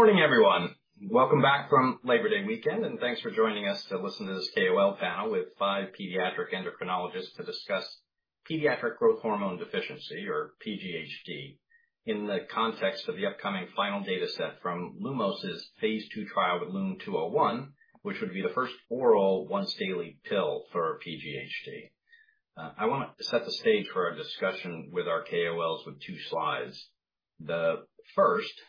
Morning, everyone. Welcome back from Labor Day weekend, and thanks for joining us to listen to this KOL panel with five pediatric endocrinologists to discuss pediatric growth hormone deficiency, or PGHD, in the context of the upcoming final data set from Lumos' phase two trial with LUM-201, which would be the first oral once daily pill for PGHD. I want to set the stage for our discussion with our KOLs with two slides. The first is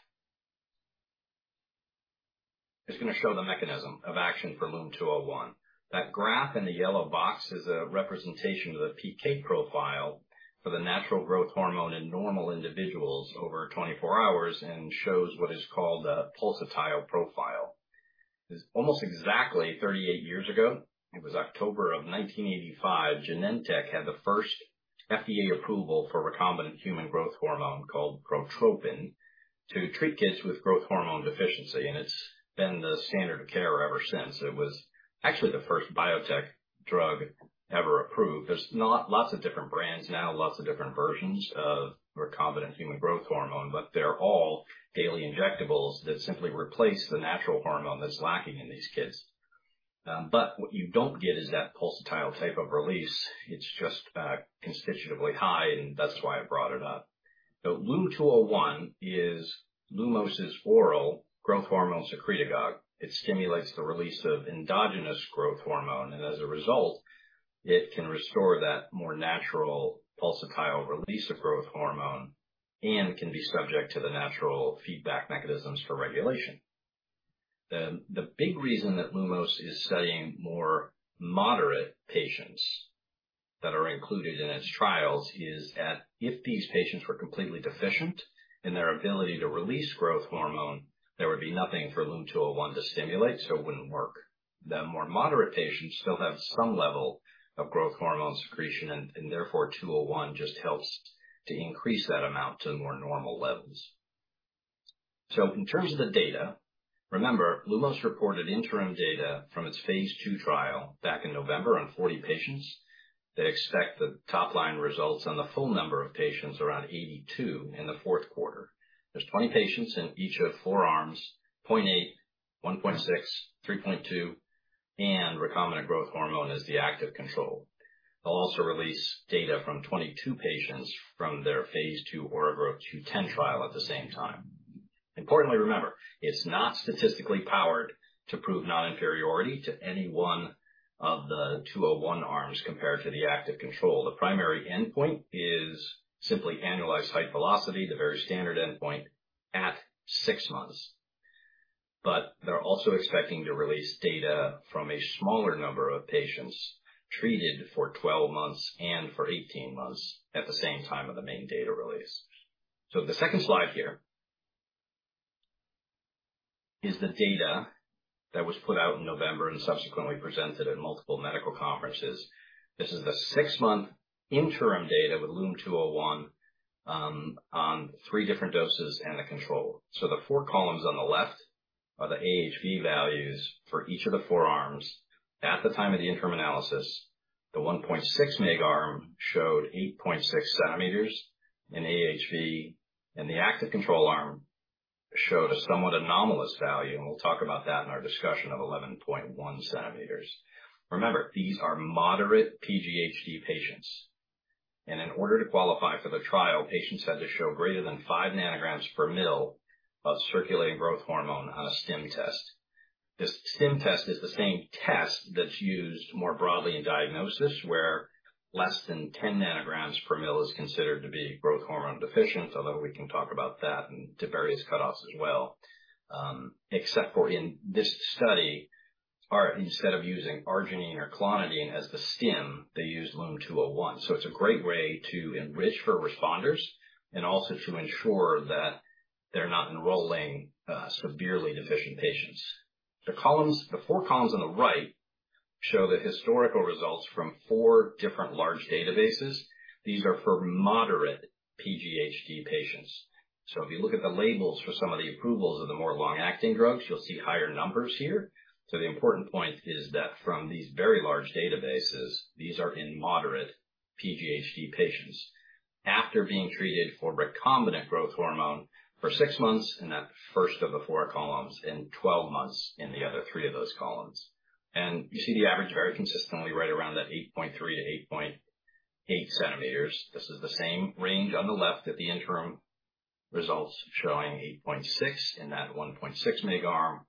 going to show the mechanism of action for LUM-201. That graph in the yellow box is a representation of the PK profile for the natural growth hormone in normal individuals over 24 hours and shows what is called a pulsatile profile. Almost exactly 38 years ago, it was October of 1985, Genentech had the first FDA approval for recombinant human growth hormone called Protropin to treat kids with growth hormone deficiency, and it's been the standard of care ever since. It was actually the first biotech drug ever approved. There's now lots of different brands now, lots of different versions of recombinant human growth hormone, but they're all daily injectables that simply replace the natural hormone that's lacking in these kids. But what you don't get is that pulsatile type of release. It's just, constitutively high, and that's why I brought it up. The LUM-201 is Lumos' oral growth hormone secretagogue. It stimulates the release of endogenous growth hormone, and as a result, it can restore that more natural pulsatile release of growth hormone and can be subject to the natural feedback mechanisms for regulation. The big reason that Lumos is studying more moderate patients that are included in its trials is that if these patients were completely deficient in their ability to release growth hormone, there would be nothing for LUM-201 to stimulate, so it wouldn't work. The more moderate patients still have some level of growth hormone secretion, and therefore, LUM-201 just helps to increase that amount to more normal levels. So in terms of the data, remember, Lumos reported interim data from its phase 2 trial back in November on 40 patients. They expect the top line results on the full number of patients, around 82, in the fourth quarter. There's 20 patients in each of the four arms, 0.8, 1.6, 3.2, and recombinant growth hormone is the active control. They'll also release data from 22 patients from their phase 2 OraGrowtH210 trial at the same time. Importantly, remember, it's not statistically powered to prove non-inferiority to any one of the 201 arms compared to the active control. The primary endpoint is simply annualized height velocity, the very standard endpoint at 6 months. But they're also expecting to release data from a smaller number of patients treated for 12 months and for 18 months at the same time of the main data release. So the second slide here is the data that was put out in November and subsequently presented at multiple medical conferences. This is the six-month interim data with LUM-201 on three different doses and a control. So the four columns on the left are the AHV values for each of the four arms. At the time of the interim analysis, the 1.6 mg arm showed 8.6 centimeters in AHV, and the active control arm showed a somewhat anomalous value, and we'll talk about that in our discussion, of 11.1 centimeters. Remember, these are moderate PGHD patients, and in order to qualify for the trial, patients had to show greater than five nanograms per ml of circulating growth hormone on a stim test. This stim test is the same test that's used more broadly in diagnosis, where less than 10 nanograms per ml is considered to be growth hormone deficient, although we can talk about that and the various cutoffs as well. Except for in this study, or instead of using arginine or clonidine as the stim, they use LUM-201. So it's a great way to enrich for responders and also to ensure that they're not enrolling severely deficient patients. The four columns on the right show the historical results from four different large databases. These are for moderate PGHD patients. So if you look at the labels for some of the approvals of the more long-acting drugs, you'll see higher numbers here. So the important point is that from these very large databases, these are in moderate PGHD patients after being treated for recombinant growth hormone for 6 months in that first of the four columns and 12 months in the other three of those columns. You see the average very consistently right around that 8.3-8.8 cm. This is the same range on the left at the interim results, showing 8.6 in that 1.6 mg arm,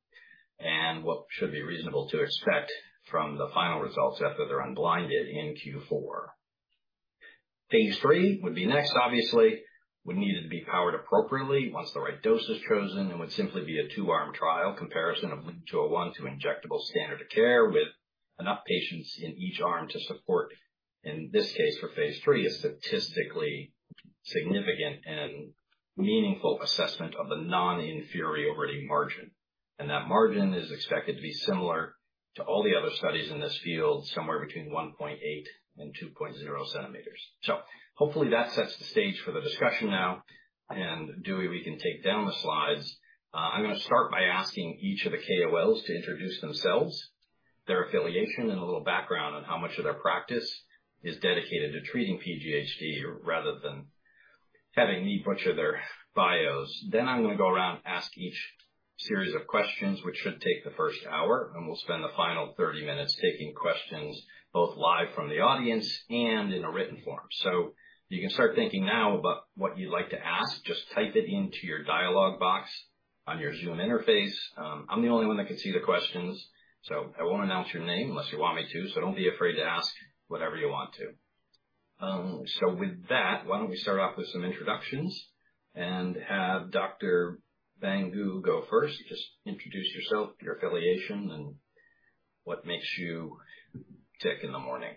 and what should be reasonable to expect from the final results after they're unblinded in Q4. Phase 3 would be next, obviously, would need to be powered appropriately once the right dose is chosen and would simply be a two-arm trial comparison of LUM-201 to injectable standard of care, with enough patients in each arm to support, in this case, for phase 3, a statistically significant and meaningful assessment of the non-inferiority margin. And that margin is expected to be similar to all the other studies in this field, somewhere between 1.8 and 2.0 centimeters. So hopefully that sets the stage for the discussion now. And Dewey, we can take down the slides. I'm going to start by asking each of the KOLs to introduce themselves... their affiliation and a little background on how much of their practice is dedicated to treating PGHD rather than having me butcher their bios. I'm going to go around, ask each series of questions, which should take the first hour, and we'll spend the final 30 minutes taking questions, both live from the audience and in a written form. So you can start thinking now about what you'd like to ask. Just type it into your dialogue box on your Zoom interface. I'm the only one that can see the questions, so I won't announce your name unless you want me to, so don't be afraid to ask whatever you want to. So with that, why don't we start off with some introductions and have Dr. Bhangu go first? Just introduce yourself, your affiliation, and what makes you tick in the morning.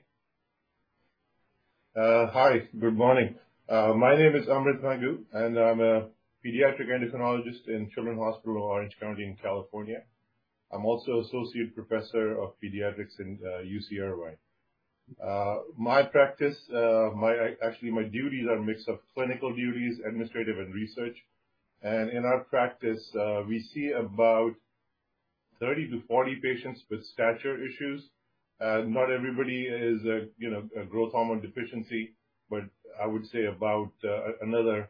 Hi, good morning. My name is Amrit Bhangu, and I'm a pediatric endocrinologist in Children's Hospital Orange County in California. I'm also Associate Professor of Pediatrics in UC Irvine. My practice, actually, my duties are a mix of clinical duties, administrative, and research. In our practice, we see about 30-40 patients with stature issues. Not everybody is a, you know, a growth hormone deficiency, but I would say about another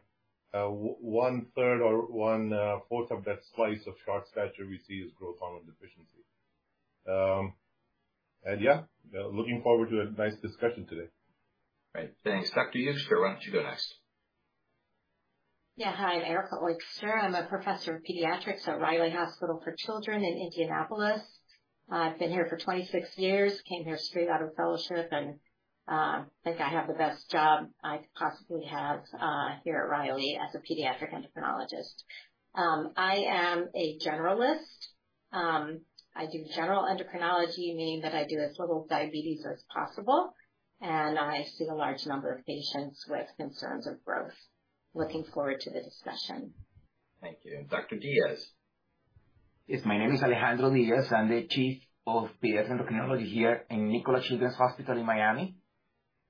one third or one fourth of that slice of short stature we see is growth hormone deficiency. Yeah, looking forward to a nice discussion today. Great. Thanks. Dr. Olkser, why don't you go next? Yeah. Hi, I'm Erica Eugster. I'm a professor of pediatrics at Riley Hospital for Children in Indianapolis. I've been here for 26 years, came here straight out of fellowship, and think I have the best job I could possibly have here at Riley as a pediatric endocrinologist. I am a generalist. I do general endocrinology, meaning that I do as little diabetes as possible, and I see a large number of patients with concerns of growth. Looking forward to the discussion. Thank you. And Dr. Diaz. Yes, my name is Alejandro Diaz. I'm the chief of pediatric endocrinology here in Nicklaus Children's Hospital in Miami,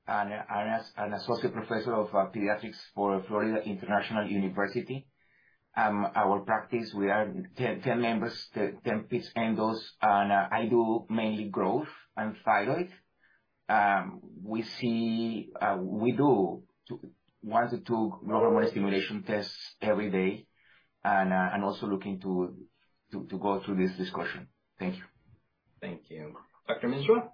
and as an associate professor of pediatrics for Florida International University. Our practice, we are 10 members, 10 ped endos, and I do mainly growth and thyroid. We see, we do 1 to 2 stimulation tests every day and I'm also looking to go through this discussion. Thank you. Thank you. Dr. Misra?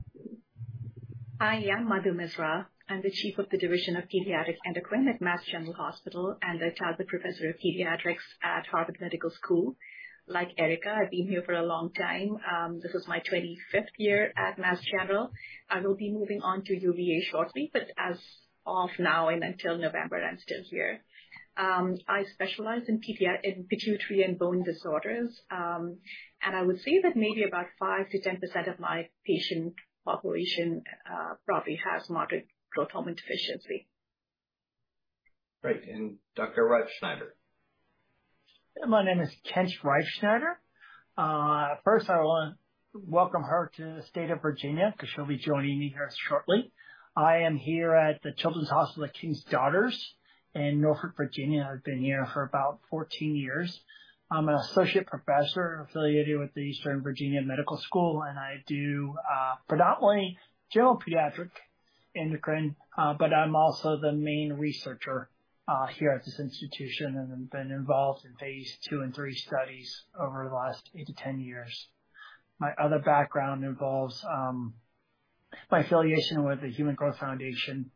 I am Madhu Misra. I'm the chief of the division of pediatric endocrine at Mass General Hospital, and the Todd Professor of Pediatrics at Harvard Medical School. Like Erica, I've been here for a long time. This is my 25th year at Mass General. I will be moving on to UVA shortly, but as of now and until November, I'm still here. I specialize in pituitary and bone disorders. And I would say that maybe about 5%-10% of my patient population probably has moderate growth hormone deficiency. Great. Dr. Reifsnyder. My name is Kent Reifsnyder. First, I want to welcome her to the state of Virginia, 'cause she'll be joining me here shortly. I am here at the Children's Hospital of King's Daughters in Norfolk, Virginia. I've been here for about 14 years. I'm an associate professor affiliated with the Eastern Virginia Medical School, and I do predominantly general pediatric endocrine, but I'm also the main researcher here at this institution, and have been involved in phase 2 and 3 studies over the last 8 to 10 years. My other background involves my affiliation with the Human Growth Foundation,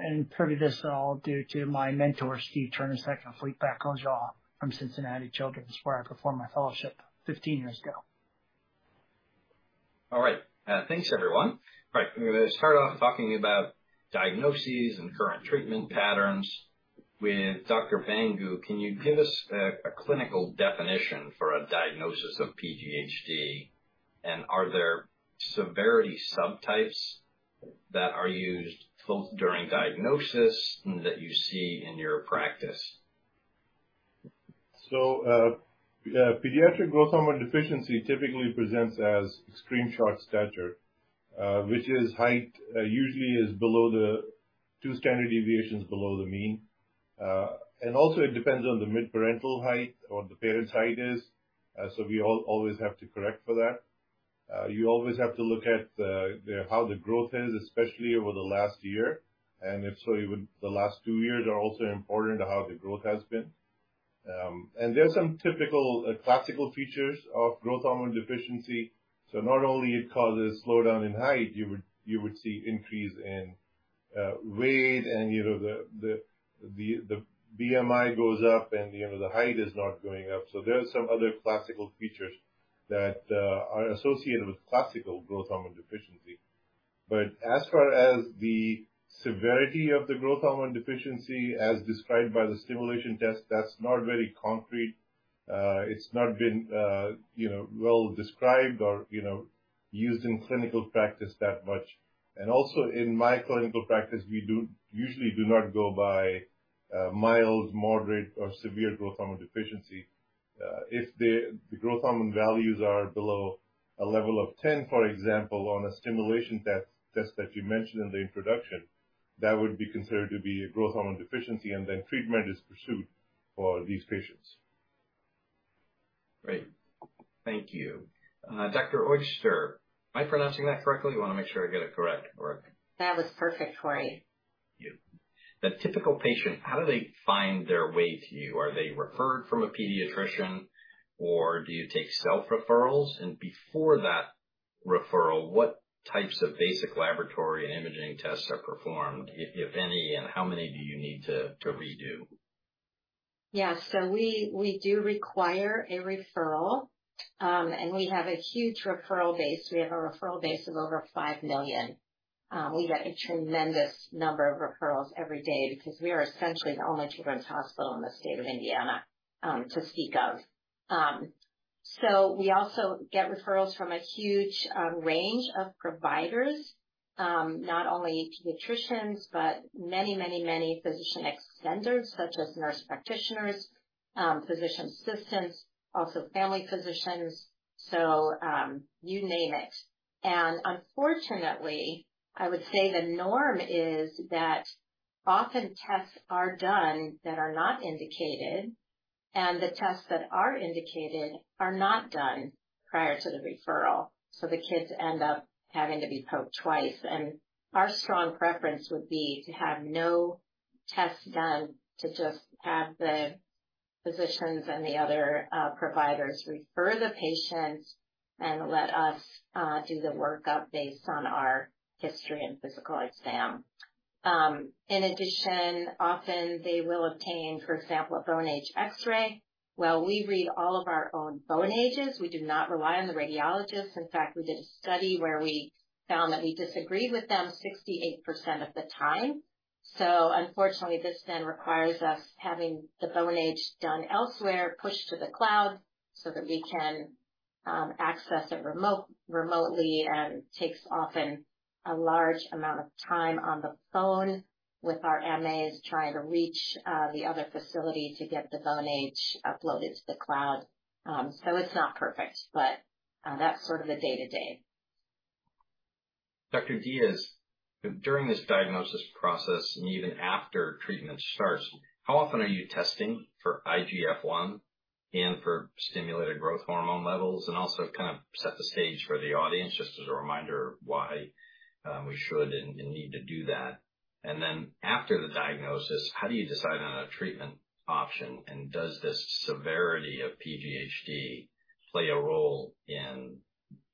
and part of this is all due to my mentor, Steve Turner, second fleet back on jaw from Cincinnati Children's, where I performed my fellowship 15 years ago. All right. Thanks, everyone. Right. I'm going to start off talking about diagnoses and current treatment patterns with Dr. Bhangu. Can you give us a clinical definition for a diagnosis of PGHD, and are there severity subtypes that are used both during diagnosis and that you see in your practice? So, pediatric growth hormone deficiency typically presents as extreme short stature, which is height, usually is below the two standard deviations below the mean. And also it depends on the mid parental height or the parent's height is, so we all always have to correct for that. You always have to look at how the growth is, especially over the last year, and if so, even the last two years are also important to how the growth has been. And there are some typical, classical features of growth hormone deficiency. So not only it causes slowdown in height, you would see increase in weight and, you know, the BMI goes up, and, you know, the height is not going up. So there are some other classical features that are associated with classical growth hormone deficiency. But as far as the severity of the growth hormone deficiency, as described by the stimulation test, that's not very concrete. It's not been, you know, well described or, you know, used in clinical practice that much. And also, in my clinical practice, we usually do not go by mild, moderate, or severe growth hormone deficiency. If the growth hormone values are below a level of 10, for example, on a stimulation test that you mentioned in the introduction, that would be considered to be a growth hormone deficiency, and then treatment is pursued for these patients. Great. Thank you. Dr. Eugster, am I pronouncing that correctly? I want to make sure I get it correct or- That was perfect, Corey. Thank you. The typical patient, how do they find their way to you? Are they referred from a pediatrician, or do you take self-referrals? Before that referral, what types of basic laboratory and imaging tests are performed, if any, and how many do you need to redo? Yeah. So we do require a referral, and we have a huge referral base. We have a referral base of over 5 million. We get a tremendous number of referrals every day because we are essentially the only children's hospital in the state of Indiana, to speak of. So we also get referrals from a huge range of providers, not only pediatricians, but many, many, many physician extenders, such as nurse practitioners, physician assistants, also family physicians, so, you name it. And unfortunately, I would say the norm is that often tests are done that are not indicated, and the tests that are indicated are not done prior to the referral, so the kids end up having to be poked twice. Our strong preference would be to have no tests done, to just have the physicians and the other providers refer the patients and let us do the workup based on our history and physical exam. In addition, often they will obtain, for example, a bone age X-ray. While we read all of our own bone ages, we do not rely on the radiologists. In fact, we did a study where we found that we disagreed with them 68% of the time. Unfortunately, this then requires us having the bone age done elsewhere, pushed to the cloud so that we can access it remotely, and takes often a large amount of time on the phone with our MAs trying to reach the other facility to get the bone age uploaded to the cloud. So it's not perfect, but that's sort of the day-to-day. Dr. Diaz, during this diagnosis process, and even after treatment starts, how often are you testing for IGF-1 and for stimulated growth hormone levels? And also, kind of set the stage for the audience, just as a reminder, why we should and need to do that. And then after the diagnosis, how do you decide on a treatment option, and does this severity of PGHD play a role in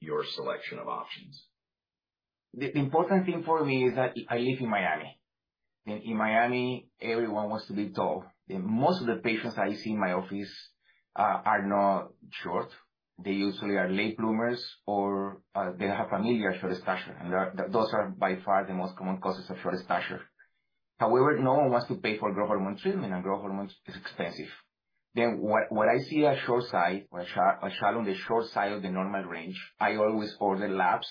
your selection of options? The important thing for me is that I live in Miami, and in Miami, everyone wants to be tall. Most of the patients I see in my office are not short. They usually are late bloomers, or they have familial short stature, and those are by far the most common causes of short stature. However, no one wants to pay for growth hormone treatment, and growth hormone is expensive. Then, when I see a child on the short side of the normal range, I always order labs.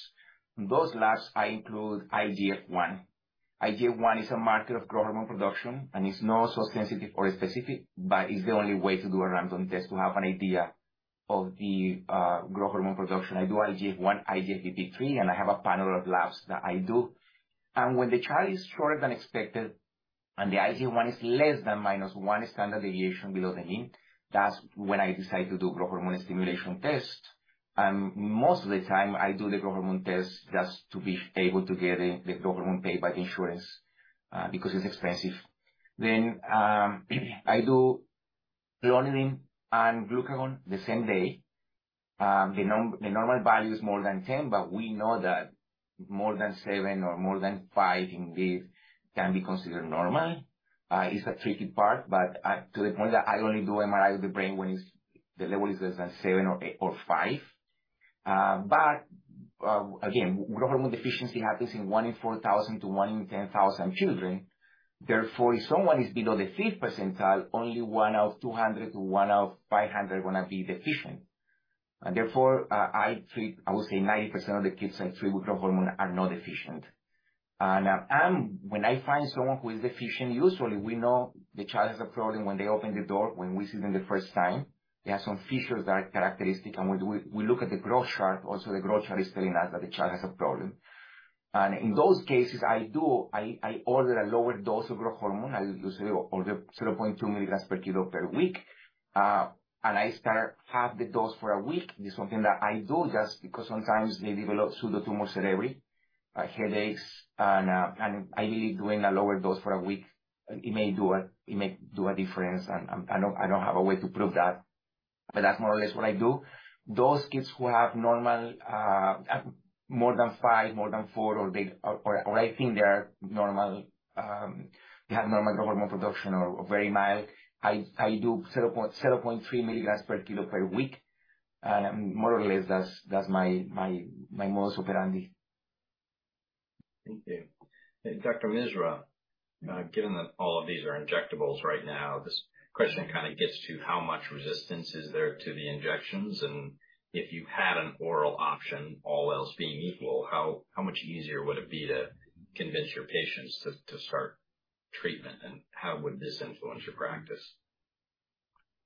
In those labs, I include IGF-1. IGF-1 is a marker of growth hormone production, and it's not so sensitive or specific, but it's the only way to do a random test to have an idea of the growth hormone production. I do IGF-1, IGFBP-3, and I have a panel of labs that I do. When the child is shorter than expected, and the IGF-1 is less than minus one standard deviation below the mean, that's when I decide to do growth hormone stimulation test. Most of the time, I do the growth hormone test, just to be able to get the growth hormone paid by insurance, because it's expensive. Then, I do clonidine and glucagon the same day. The normal value is more than 10, but we know that more than 7 or more than 5, indeed, can be considered normal. It's a tricky part, but to the point that I only do MRI of the brain when the level is less than 7 or 8 or 5. But, again, growth hormone deficiency happens in 1 in 4,000 to 1 in 10,000 children. Therefore, if someone is below the 5th percentile, only 1 out of 200 to 1 out of 500 going to be deficient. And therefore, I treat, I would say 90% of the kids I treat with growth hormone are not deficient. And, when I find someone who is deficient, usually we know the child has a problem when they open the door, when we see them the first time. They have some features that are characteristic, and we look at the growth chart. Also, the growth chart is telling us that the child has a problem. And in those cases, I order a lower dose of growth hormone. I usually order 0.2 milligrams per kilo per week. I start half the dose for a week. This is something that I do, just because sometimes they develop pseudotumor cerebri, headaches, and ideally, doing a lower dose for a week, it may do a difference, and I don't have a way to prove that, but that's more or less what I do. Those kids who have normal, more than 5, more than 4, or I think they are normal, they have normal growth hormone production or very mild, I do 0.3 milligrams per kilo per week, and more or less, that's my modus operandi. Thank you. Dr. Misra, given that all of these are injectables right now, this question kind of gets to how much resistance is there to the injections, and if you had an oral option, all else being equal, how much easier would it be to convince your patients to start treatment, and how would this influence your practice?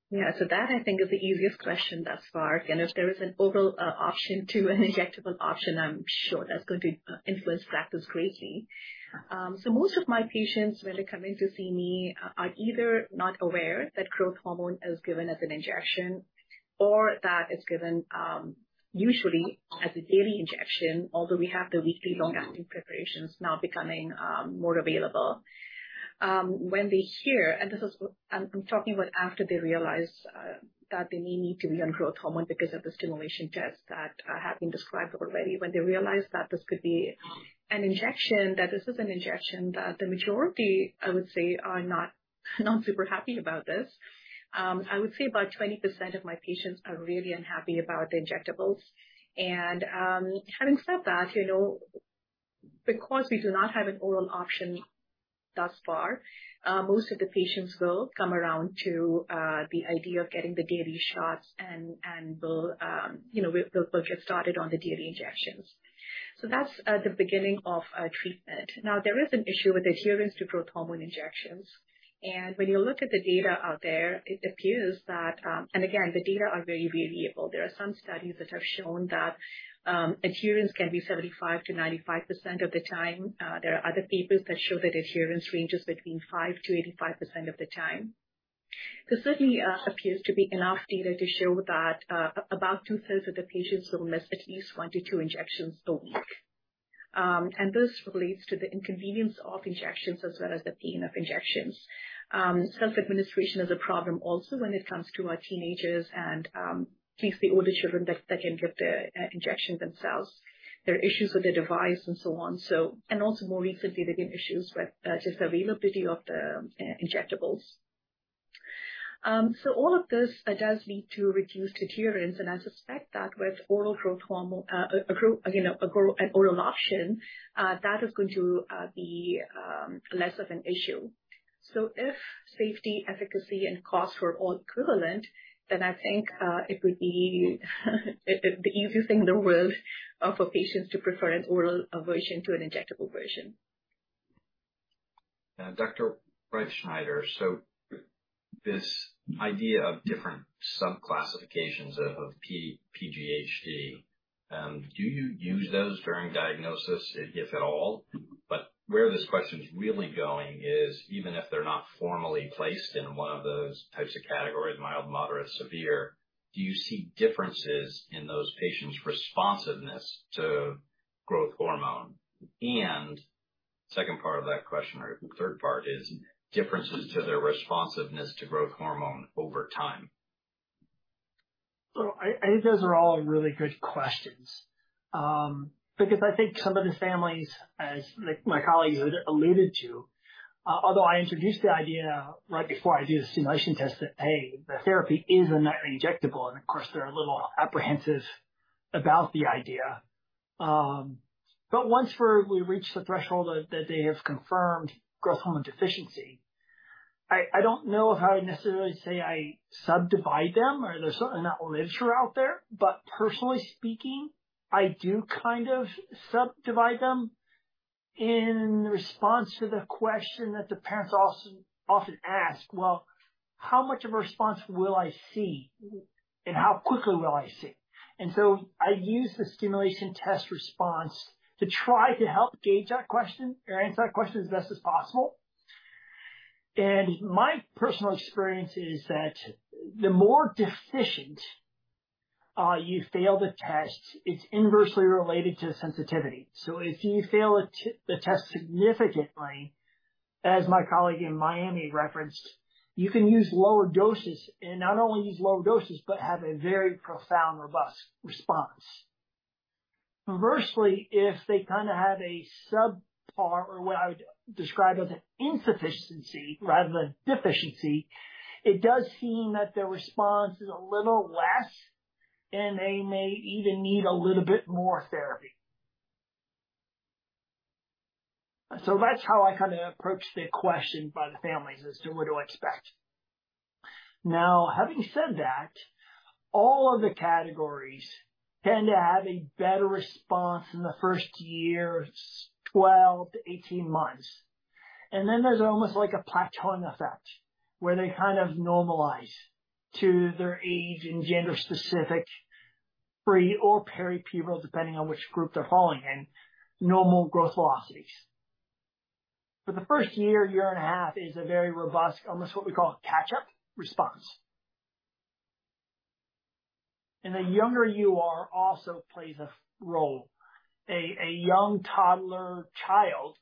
Yeah, so that I think is the easiest question thus far. And if there is an oral option to an injectable option, I'm sure that's going to influence factors greatly. So most of my patients, when they're coming to see me, are either not aware that growth hormone is given as an injection or that it's given usually as a daily injection, although we have the weekly long-acting preparations now becoming more available. When they hear, and this is. I'm talking about after they realize that they need to be on growth hormone because of the stimulation tests that have been described already. When they realize that this could be an injection, that this is an injection, that the majority, I would say, are not, not super happy about this. I would say about 20% of my patients are really unhappy about the injectables. And, having said that, you know, because we do not have an oral option thus far, most of the patients will come around to the idea of getting the daily shots and will, you know, we, we'll get started on the daily injections. So that's the beginning of a treatment. Now, there is an issue with adherence to growth hormone injections, and when you look at the data out there, it appears that. And again, the data are very, very variable. There are some studies that have shown that adherence can be 75%-95% of the time. There are other papers that show that adherence ranges between 5%-85% of the time. There certainly appears to be enough data to show that about two-thirds of the patients will miss at least 1-2 injections a week. And this relates to the inconvenience of injections as well as the pain of injections. Self-administration is a problem also when it comes to our teenagers and at least the older children that can get their injections themselves. There are issues with the device and so on, so and also more recently, they've been issues with just availability of the injectables. So all of this does lead to reduced adherence, and I suspect that with oral growth hormone, an oral option that is going to be less of an issue. If safety, efficacy, and cost were all equivalent, then I think it would be the easiest thing in the world for patients to prefer an oral version to an injectable version. Dr. Reifsnyder, so this idea of different sub classifications of PGHD, do you use those during diagnosis, if at all? But where this question is really going is, even if they're not formally placed in one of those types of categories, mild, moderate, severe, do you see differences in those patients' responsiveness to growth hormone? And second part of that question, or third part, is differences to their responsiveness to growth hormone over time. So I think those are all really good questions, because I think some of the families, as like my colleagues have alluded to, although I introduced the idea right before I do the stimulation test, that, hey, the therapy is a nightly injectable, and of course, they're a little apprehensive about the idea. But once we reach the threshold that they have confirmed growth hormone deficiency, I don't know if I would necessarily say I subdivide them or there's not literature out there. But personally speaking, I do kind of subdivide them in response to the question that the parents also often ask: Well, how much of a response will I see, and how quickly will I see? And so I use the stimulation test response to try to help gauge that question or answer that question as best as possible. My personal experience is that the more deficient you fail the test, it's inversely related to sensitivity. So if you fail the test significantly, as my colleague in Miami referenced, you can use lower doses and not only use lower doses, but have a very profound, robust response. Conversely, if they kind of have a subpar or what I would describe as an insufficiency rather than deficiency, it does seem that their response is a little less, and they may even need a little bit more therapy. So that's how I kind of approach the question by the families as to what to expect. Now, having said that, all of the categories tend to have a better response in the first year, 12-18 months, and then there's almost like a plateauing effect, where they kind of normalize to their age and gender specific pre- or peripubertal, depending on which group they're falling in, normal growth velocities. For the first year, year and a half is a very robust, almost what we call a catch-up response. And the younger you are also plays a role. A young toddler child,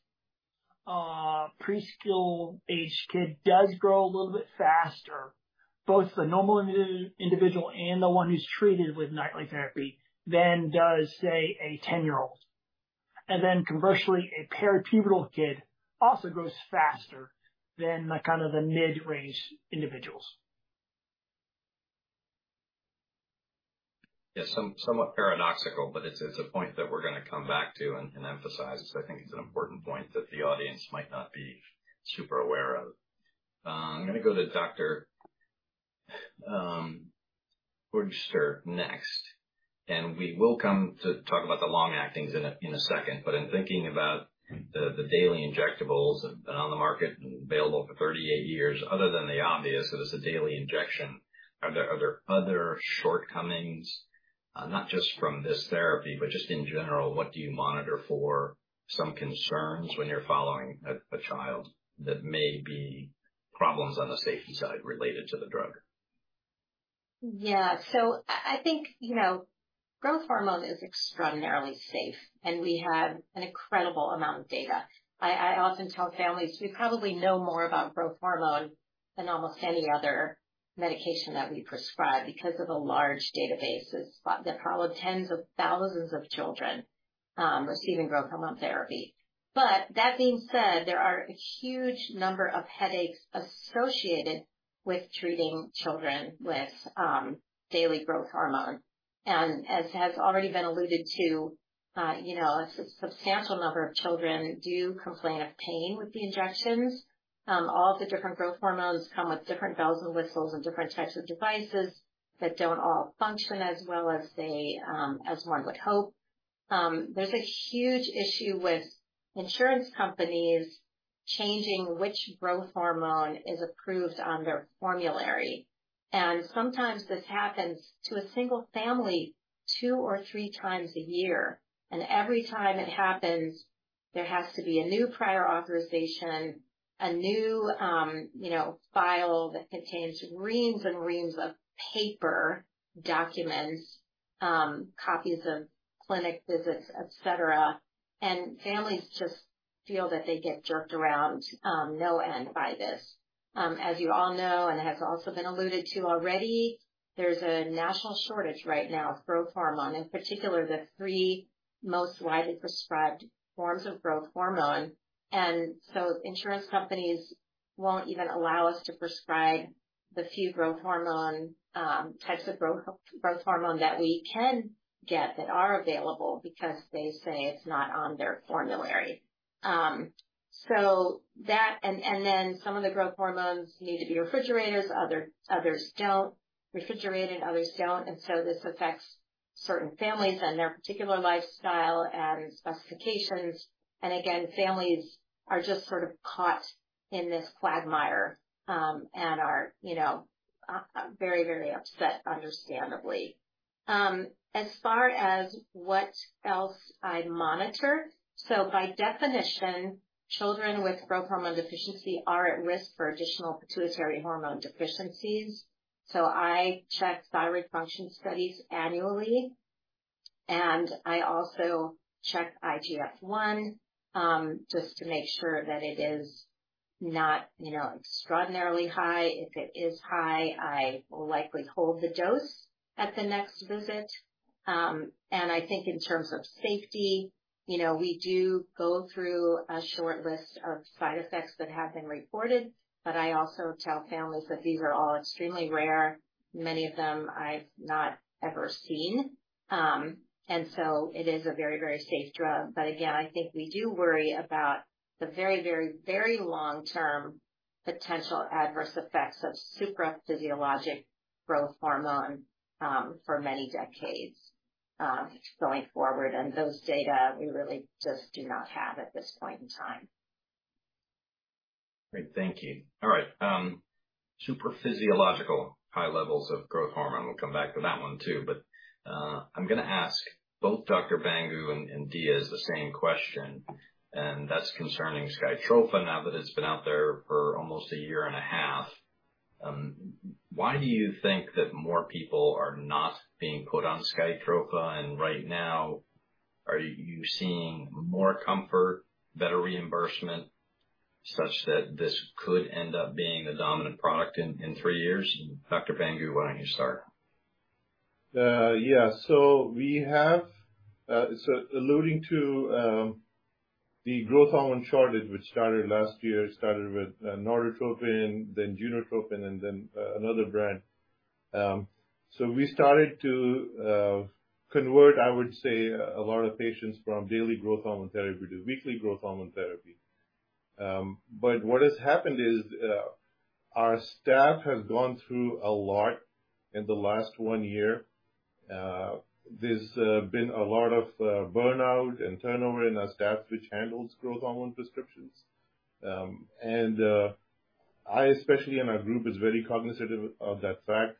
preschool-aged kid does grow a little bit faster, both the normal individual and the one who's treated with nightly therapy than does, say, a 10-year-old. And then conversely, a peripubertal kid also grows faster than the kind of the mid-range individuals. Yeah, somewhat paradoxical, but it's a point that we're going to come back to and emphasize. Because I think it's an important point that the audience might not be super aware of. I'm going to go to Dr. We'll start next, and we will come to talk about the long-actings in a second. But in thinking about the daily injectables that have been on the market and available for 38 years, other than the obvious, that it's a daily injection, are there other shortcomings, not just from this therapy, but just in general, what do you monitor for some concerns when you're following a child that may be problems on the safety side related to the drug? Yeah. So I think, you know, growth hormone is extraordinarily safe, and we have an incredible amount of data. I often tell families: We probably know more about growth hormone than almost any other medication that we prescribe because of the large databases, but there are probably tens of thousands of children receiving growth hormone therapy. That being said, there are a huge number of headaches associated with treating children with daily growth hormone. As has already been alluded to, you know, a substantial number of children do complain of pain with the injections. All the different growth hormones come with different bells and whistles and different types of devices that don't all function as well as they, as one would hope. There's a huge issue with insurance companies changing which growth hormone is approved on their formulary. Sometimes this happens to a single family two or three times a year, and every time it happens, there has to be a new prior authorization, a new, you know, file that contains reams and reams of paper documents, copies of clinic visits, et cetera. Families just feel that they get jerked around, no end by this. As you all know, and has also been alluded to already, there's a national shortage right now of growth hormone, in particular, the three most widely prescribed forms of growth hormone. So insurance companies won't even allow us to prescribe the few growth hormone types of growth hormone that we can get that are available because they say it's not on their formulary. So that and then some of the growth hormones need to be refrigerated, others don't, and so this affects certain families and their particular lifestyle and specifications. Again, families are just sort of caught in this quagmire, and are, you know, very, very upset, understandably. As far as what else I monitor, so by definition, children with growth hormone deficiency are at risk for additional pituitary hormone deficiencies. So I check thyroid function studies annually, and I also check IGF-1, just to make sure that it is not, you know, extraordinarily high. If it is high, I will likely hold the dose at the next visit. I think in terms of safety, you know, we do go through a short list of side effects that have been reported, but I also tell families that these are all extremely rare. Many of them I've not ever seen. So it is a very, very safe drug. But again, I think we do worry about the very, very, very long-term potential adverse effects of supraphysiologic growth hormone, for many decades, going forward, and those data we really just do not have at this point in time. Great. Thank you. All right. supraphysiological high levels of growth hormone. We'll come back to that one, too. But, I'm going to ask both Dr. Bhangu and, and Diaz the same question, and that's concerning SKYTROFA. Now that it's been out there for almost a year and a half, why do you think that more people are not being put on SKYTROFA? And right now, are you seeing more comfort, better reimbursement, such that this could end up being the dominant product in, in three years? Dr. Bhangu, why don't you start? Yeah. So we have, so alluding to, the growth hormone shortage, which started last year, it started with, Norditropin, then Genotropin, and then, another brand. So we started to, convert, I would say, a lot of patients from daily growth hormone therapy to weekly growth hormone therapy. But what has happened is, our staff has gone through a lot in the last one year. There's been a lot of, burnout and turnover in our staff, which handles growth hormone prescriptions. And, I, especially in our group, is very cognizant of that fact.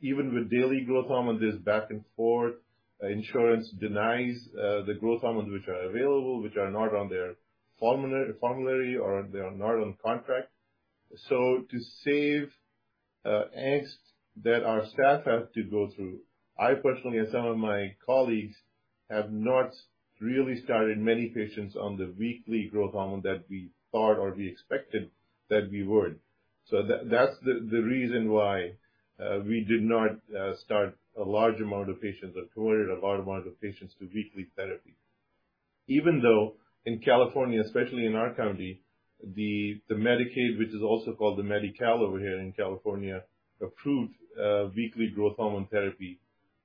Even with daily growth hormone, there's back and forth. Insurance denies, the growth hormones which are available, which are not on their formulary, or they are not on contract. So to save, angst that our staff have to go through, I personally and some of my colleagues have not really started many patients on the weekly growth hormone that we thought or we expected that we would. So that, that's the reason why, we did not, start a large amount of patients or converted a large amount of patients to weekly therapy. Even though in California, especially in our county, the Medicaid, which is also called the Medi-Cal over here in California, approved, weekly growth hormone therapy,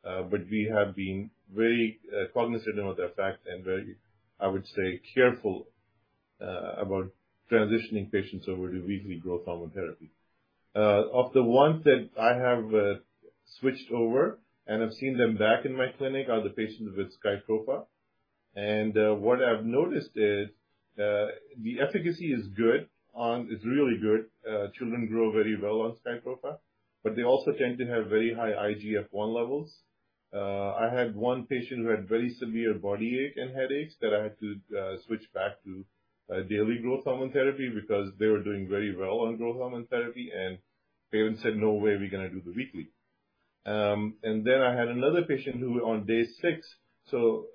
but we have been very, cognizant of that fact and very, I would say, careful about transitioning patients over to weekly growth hormone therapy. Of the ones that I have, switched over and I've seen them back in my clinic, are the patients with SKYTROFA. What I've noticed is, the efficacy is good on it. It's really good. Children grow very well on SKYTROFA, but they also tend to have very high IGF-1 levels. I had one patient who had very severe body ache and headaches that I had to switch back to daily growth hormone therapy because they were doing very well on growth hormone therapy, and parents said: "No way we're going to do the weekly." And then I had another patient who on day six. So,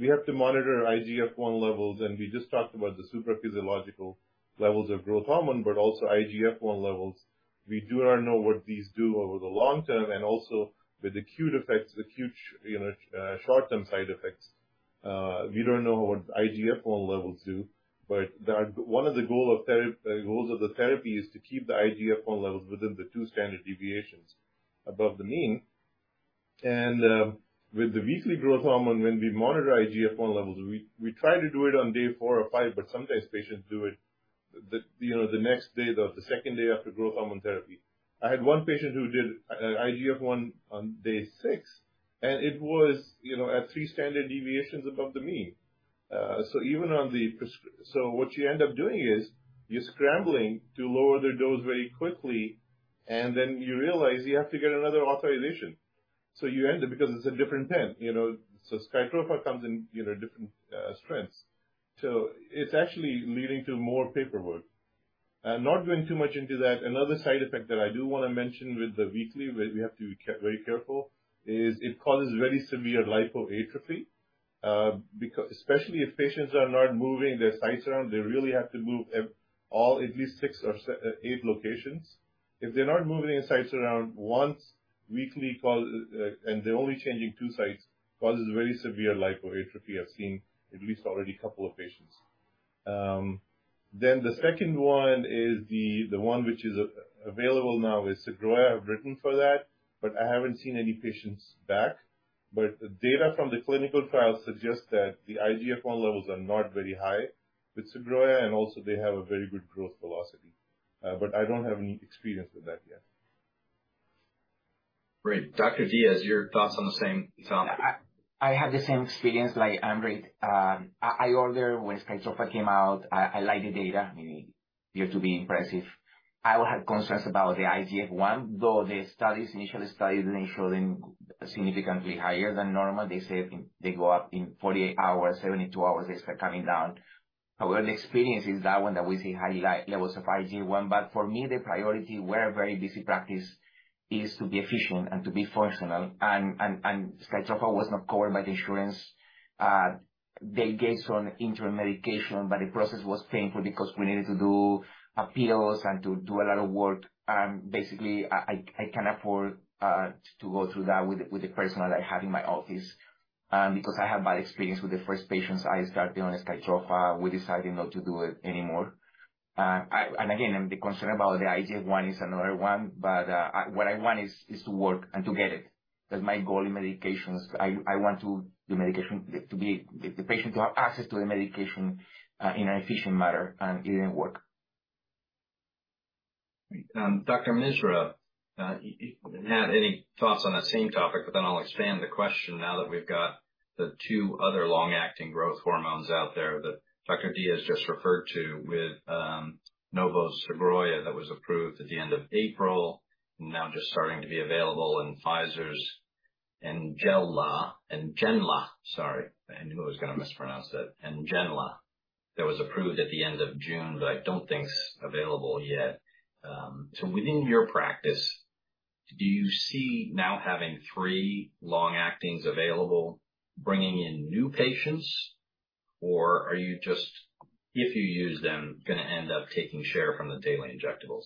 we have to monitor IGF-1 levels, and we just talked about the supraphysiological levels of growth hormone, but also IGF-1 levels. We do not know what these do over the long term and also with the acute effects, the acute, you know, short-term side effects. We don't know what IGF-I levels do, but one of the goals of the therapy is to keep the IGF-I levels within the two standard deviations above the mean. And with the weekly growth hormone, when we monitor IGF-I levels, we try to do it on day 4 or 5, but sometimes patients do it, you know, the next day, the second day after growth hormone therapy. I had one patient who did IGF-I on day 6, and it was, you know, at three standard deviations above the mean. So even on the prescri... So what you end up doing is, you're scrambling to lower their dose very quickly, and then you realize you have to get another authorization. So you end up because it's a different pen, you know, so SKYTROFA comes in, you know, different strengths. So it's actually leading to more paperwork. Not going too much into that. Another side effect that I do want to mention with the weekly, where we have to be very careful, is it causes very severe lipoatrophy. Because especially if patients are not moving their sites around, they really have to move all, at least six or eight locations. If they're not moving the sites around once weekly, cause and they're only changing two sites, causes very severe lipoatrophy. I've seen at least already a couple of patients. Then the second one is the one which is available now is Sogroya. I've written for that, but I haven't seen any patients back. The data from the clinical trials suggest that the IGF-1 levels are not very high with Sogroya, and also they have a very good growth velocity. I don't have any experience with that yet. Great. Dr. Diaz, your thoughts on the same topic? I have the same experience like Andre. I order when SKYTROFA came out. I like the data. I mean, it appeared to be impressive. I would have concerns about the IGF-1, though the studies, initial studies showed them significantly higher than normal. They say they go up in 48 hours, 72 hours, they start coming down. However, the experience is that one that we see high levels of IGF-1, but for me, the priority, we're a very busy practice, is to be efficient and to be functional. And SKYTROFA was not covered by the insurance. They gave some interim medication, but the process was painful because we needed to do appeals and to do a lot of work. And basically, I can't afford to go through that with the personnel I have in my office. Because I have bad experience with the first patients I started on SKYTROFA, we decided not to do it anymore. And again, the concern about the IGF-1 is another one, but, I, what I want is to work and to get it. That's my goal in medications. I, I want to the medication to be. The patient to have access to the medication, in an efficient manner, and it didn't work. Dr. Misra, if you had any thoughts on that same topic, but then I'll expand the question now that we've got the two other long-acting growth hormones out there that Dr. Diaz just referred to with Novo Sogroya, that was approved at the end of April, and now just starting to be available, and Pfizer's NGENLA, NGENLA, sorry, I knew I was going to mispronounce that. NGENLA, that was approved at the end of June, but I don't think it's available yet. So within your practice, do you see now having three long-actings available, bringing in new patients? Or are you just, if you use them, going to end up taking share from the daily injectables?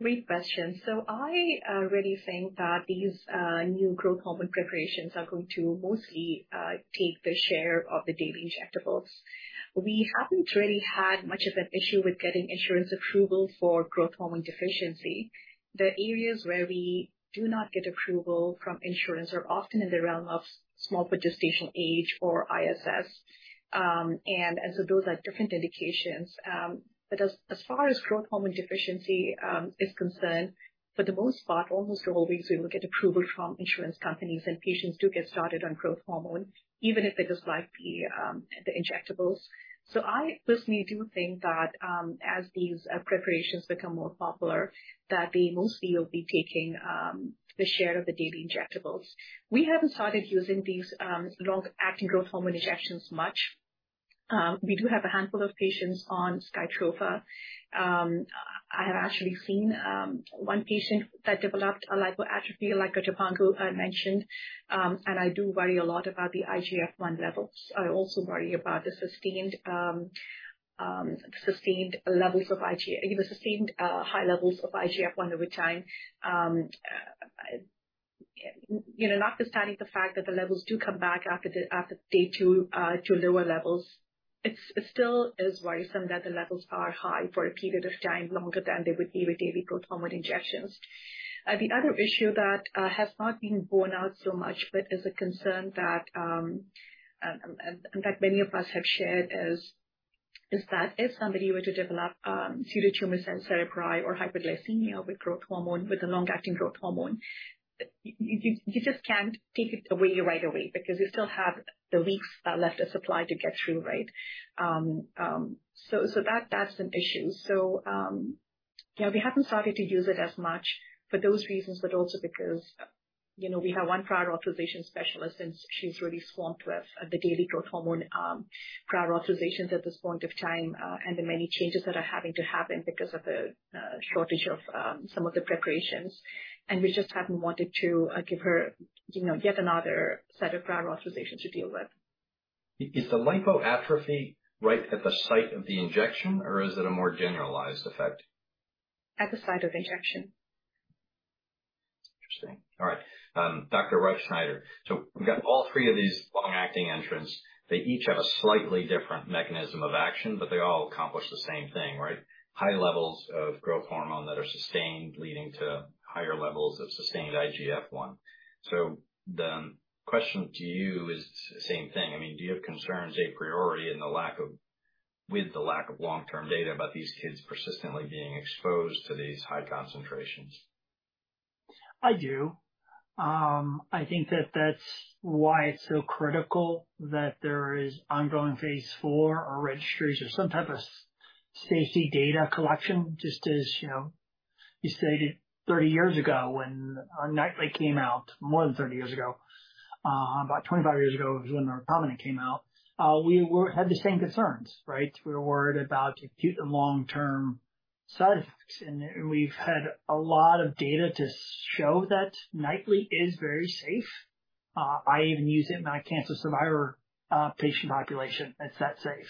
Great question. So I really think that these new growth hormone preparations are going to mostly take the share of the daily injectables. We haven't really had much of an issue with getting insurance approval for growth hormone deficiency. The areas where we do not get approval from insurance are often in the realm of small for gestational age or ISS. So those are different indications. But as far as growth hormone deficiency is concerned, for the most part, almost always, we will get approval from insurance companies, and patients do get started on growth hormone, even if they dislike the injectables. So I personally do think that as these preparations become more popular, that they mostly will be taking the share of the daily injectables. We haven't started using these long-acting growth hormone injections much. We do have a handful of patients on SKYTROFA. I have actually seen one patient that developed a lipoatrophy, like Dipankar had mentioned, and I do worry a lot about the IGF-1 levels. I also worry about the sustained high levels of IGF-1 over time. You know, notwithstanding the fact that the levels do come back after day two to lower levels, it still is worrisome that the levels are high for a period of time, longer than they would be with daily growth hormone injections. The other issue that has not been borne out so much, but is a concern that and that many of us have shared is that if somebody were to develop pseudotumor cerebri or hyperglycemia with growth hormone, with a long-acting growth hormone, you just can't take it away right away because you still have the weeks left of supply to get through. Right? So, that's an issue. So, you know, we haven't started to use it as much for those reasons, but also because, you know, we have one prior authorization specialist, and she's really swamped with the daily growth hormone prior authorizations at this point of time and the many changes that are having to happen because of the shortage of some of the preparations. We just haven't wanted to give her, you know, yet another set of prior authorizations to deal with. Is the lipoatrophy right at the site of the injection, or is it a more generalized effect? At the site of injection. Interesting. All right. Dr. Reifsnyder, so we've got all three of these long-acting entrants. They each have a slightly different mechanism of action, but they all accomplish the same thing, right? High levels of growth hormone that are sustained, leading to higher levels of sustained IGF-1. So the question to you is the same thing. I mean, do you have concerns a priority in the lack of with the lack of long-term data about these kids persistently being exposed to these high concentrations? I do. I think that that's why it's so critical that there is ongoing phase four or registries or some type of safety data collection, just as, you know, you stated 30 years ago, when Norditropin came out, more than 30 years ago, about 25 years ago, was when our Protropin came out. We had the same concerns, right? We were worried about acute and long-term side effects, and we've had a lot of data to show that Norditropin is very safe. I even use it in my cancer survivor patient population. It's that safe.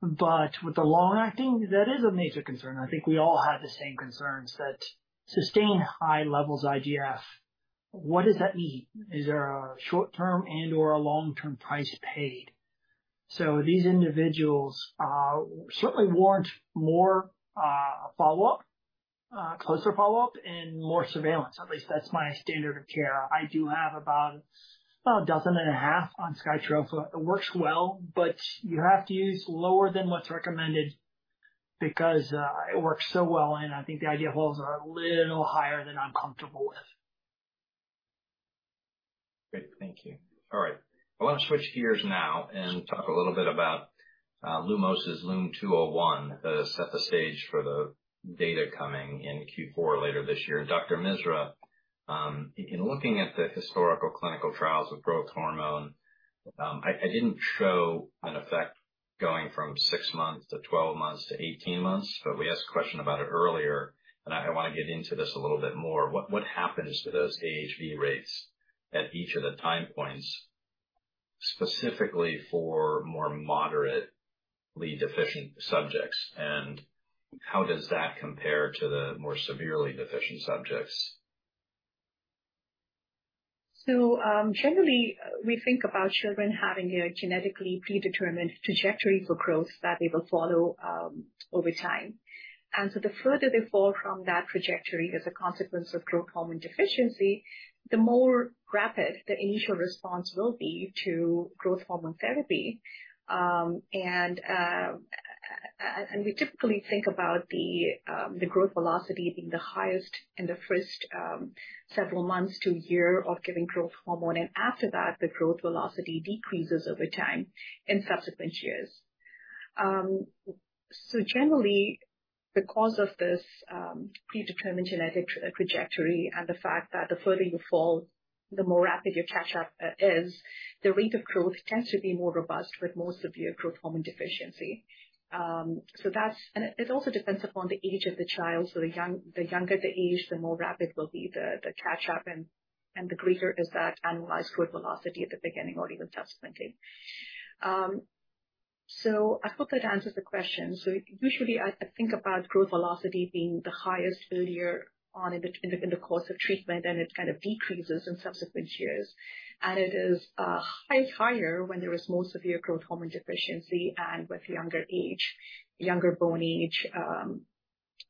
But with the long-acting, that is a major concern. I think we all have the same concerns, that sustained high levels IGF, what does that mean? Is there a short-term and/or a long-term price paid? So these individuals certainly warrant more follow-up, closer follow-up and more surveillance. At least that's my standard of care. I do have about, well, 18 on SKYTROFA. It works well, but you have to use lower than what's recommended because it works so well, and I think the IGF-1 levels are a little higher than I'm comfortable with. Great. Thank you. All right. I want to switch gears now and talk a little bit about Lumos's LUM-201, set the stage for the data coming in Q4 later this year. Dr. Misra, in looking at the historical clinical trials with growth hormone, I didn't show an effect going from 6 months to 12 months to 18 months, but we asked a question about it earlier, and I want to get into this a little bit more. What happens to those AHV rates at each of the time points, specifically for more moderately deficient subjects? And how does that compare to the more severely deficient subjects? So, generally, we think about children having a genetically predetermined trajectory for growth that they will follow, over time. And so the further they fall from that trajectory as a consequence of growth hormone deficiency, the more rapid the initial response will be to growth hormone therapy. And we typically think about the growth velocity being the highest in the first several months to a year of giving growth hormone, and after that, the growth velocity decreases over time in subsequent years. So generally, because of this, predetermined genetic trajectory and the fact that the further you fall, the more rapid your catch-up is, the rate of growth tends to be more robust with more severe growth hormone deficiency. And it also depends upon the age of the child. So the younger the age, the more rapid will be the catch-up, and the greater is that annualized growth velocity at the beginning or even subsequently. So I hope that answers the question. So usually I think about growth velocity being the highest earlier on in the course of treatment, and it kind of decreases in subsequent years. And it is highest, higher when there is more severe growth hormone deficiency and with younger age, younger bone age,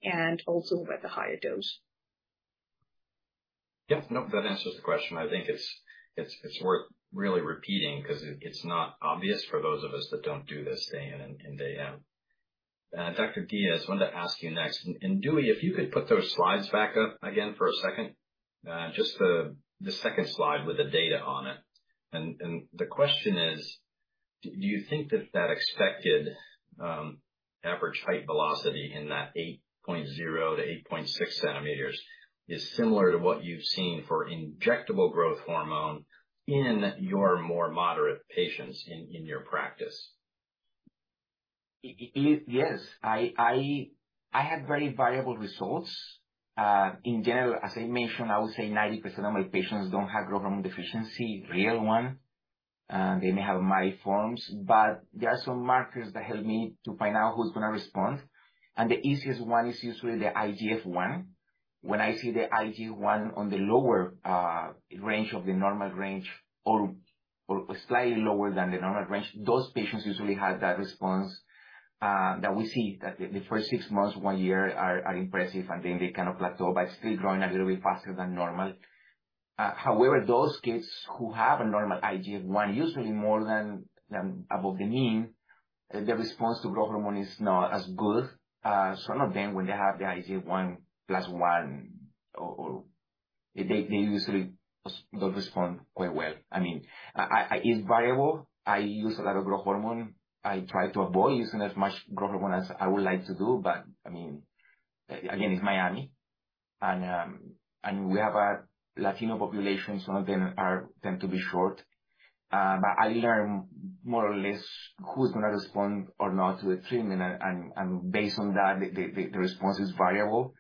and also with the higher dose. Yeah. No, that answers the question. I think it's worth really repeating because it's not obvious for those of us that don't do this day in and day out. Dr. Diaz, I wanted to ask you next, and Dewey, if you could put those slides back up again for a second, just the second slide with the data on it. And the question is: Do you think that that expected average height velocity in that 8.0-8.6 centimeters is similar to what you've seen for injectable growth hormone in your more moderate patients in your practice? Yes, I had very variable results. In general, as I mentioned, I would say 90% of my patients don't have growth hormone deficiency, real one. They may have mild forms, but there are some markers that help me to find out who's going to respond, and the easiest one is usually the IGF-1. When I see the IGF-1 on the lower range of the normal range or slightly lower than the normal range, those patients usually have that response that we see, that the first six months, one year are impressive, and then they kind of plateau, but still growing a little bit faster than normal. However, those kids who have a normal IGF-1, usually more than above the mean, their response to growth hormone is not as good. Some of them, when they have the IGF-1 plus one, or they usually don't respond quite well. I mean, it's variable. I use a lot of growth hormone. I try to avoid using as much growth hormone as I would like to do, but I mean, again, it's Miami, and we have a Latino population. Some of them tend to be short. But I learn more or less who's going to respond or not to the treatment, and based on that, the response is variable.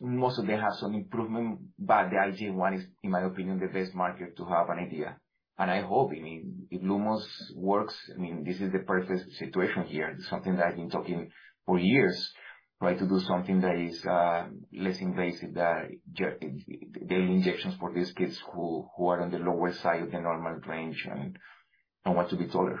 Most of them have some improvement, but the IGF-1 is, in my opinion, the best marker to have an idea. And I hope, I mean, if Lumos works, I mean, this is the perfect situation here. This is something that I've been talking for years, right? To do something that is less invasive, that daily injections for these kids who are on the lower side of the normal range and want to be taller.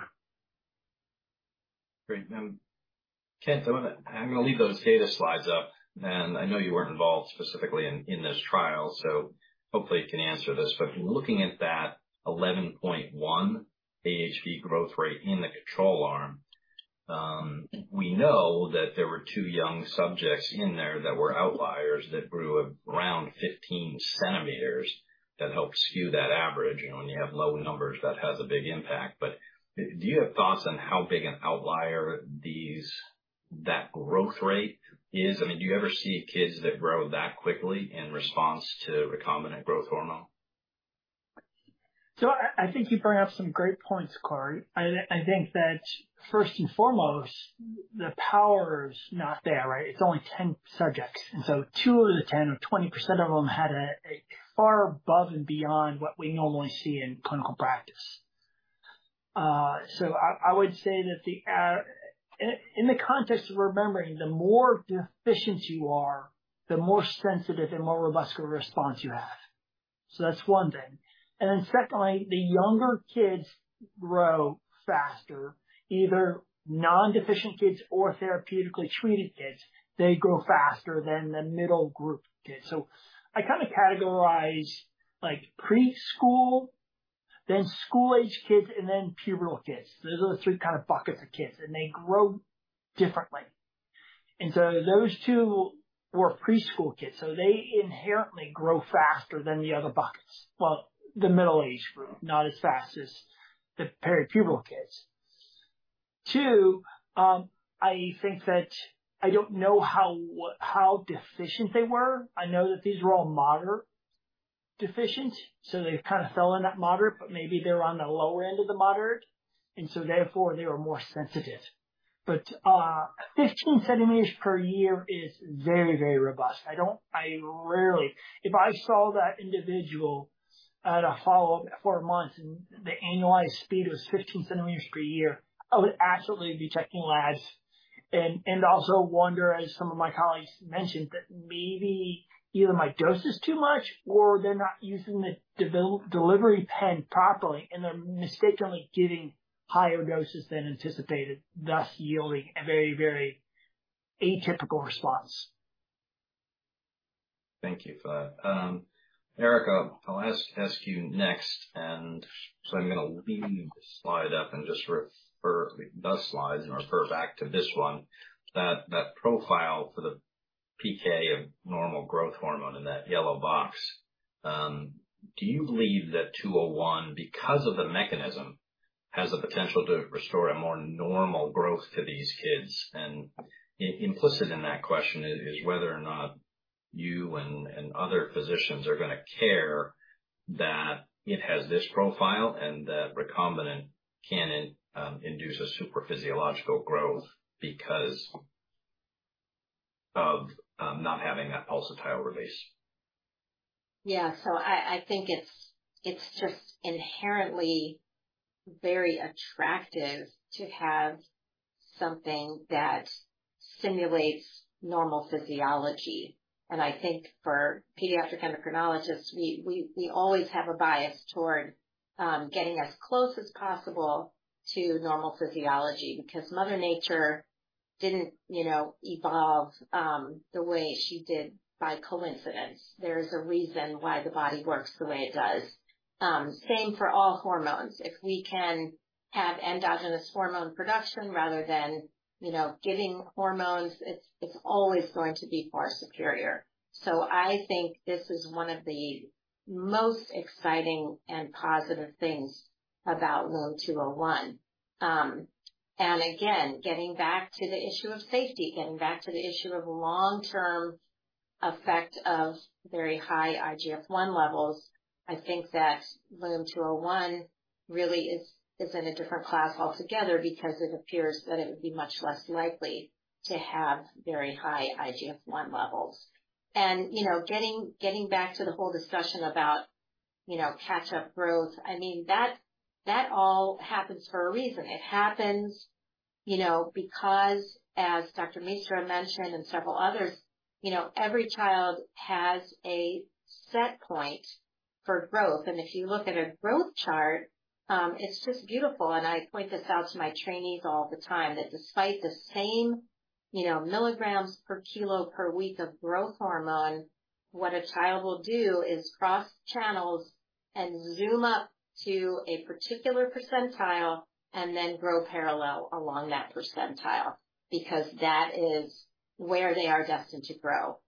Great. Kent, I'm going to leave those data slides up, and I know you weren't involved specifically in this trial, so hopefully you can answer this. But looking at that 11.1 AHV growth rate in the control arm, we know that there were 2 young subjects in there that were outliers, that grew around 15 centimeters. That helped skew that average. You know, when you have low numbers, that has a big impact. But do you have thoughts on how big an outlier that growth rate is? I mean, do you ever see kids that grow that quickly in response to recombinant growth hormone? So I think you bring up some great points, Corey. I think that first and foremost, the power is not there, right? It's only 10 subjects, and so 2 of the 10 or 20% of them had a far above and beyond what we normally see in clinical practice. So I would say that in the context of remembering, the more deficient you are, the more sensitive and more robust response you have. So that's one thing. And then secondly, the younger kids grow faster, either non-deficient kids or therapeutically treated kids, they grow faster than the middle group kids. So I kind of categorize like preschool, then school-aged kids, and then pubertal kids. Those are the three kind of buckets of kids, and they grow differently. And so those two were preschool kids, so they inherently grow faster than the other buckets. Well, the middle-age group, not as fast as the peripubertal kids. Two, I think that I don't know how deficient they were. I know that these were all moderate deficient, so they kind of fell in that moderate, but maybe they're on the lower end of the moderate, and so therefore, they were more sensitive. But, fifteen centimeters per year is very, very robust. I rarely. If I saw that individual at a follow-up at four months, and the annualized speed was 15 centimeters per year, I would absolutely be checking labs and also wonder, as some of my colleagues mentioned, that maybe either my dose is too much or they're not using the delivery pen properly, and they're mistakenly getting higher doses than anticipated, thus yielding a very, very atypical response. Thank you for that. Erica, I'll ask you next, and so I'm going to leave the slide up and just refer those slides and refer back to this one, that profile for the PK of normal growth hormone in that yellow box. Do you believe that 201, because of the mechanism, has the potential to restore a more normal growth to these kids? And implicit in that question is whether or not you and other physicians are going to care that it has this profile and that recombinant can induce a super physiological growth because of not having that pulsatile release. Yeah. So I think it's just inherently very attractive to have something that simulates normal physiology. And I think for pediatric endocrinologists, we always have a bias toward getting as close as possible to normal physiology because mother nature didn't, you know, evolve the way she did by coincidence. There's a reason why the body works the way it does. Same for all hormones. If we can have endogenous hormone production rather than, you know, giving hormones, it's always going to be far superior. So I think this is one of the most exciting and positive things about LUM-201. And again, getting back to the issue of safety, getting back to the issue of long-term effect of very high IGF-1 levels, I think that LUM-201 really is, is in a different class altogether because it appears that it would be much less likely to have very high IGF-1 levels. And, you know, getting, getting back to the whole discussion about, you know, catch-up growth, I mean, that, that all happens for a reason. It happens. You know, because as Dr. Misra mentioned, and several others, you know, every child has a set point for growth. And if you look at a growth chart, it's just beautiful. I point this out to my trainees all the time, that despite the same, you know, milligrams per kilo per week of growth hormone, what a child will do is cross channels and zoom up to a particular percentile and then grow parallel along that percentile, because that is where they are destined to grow.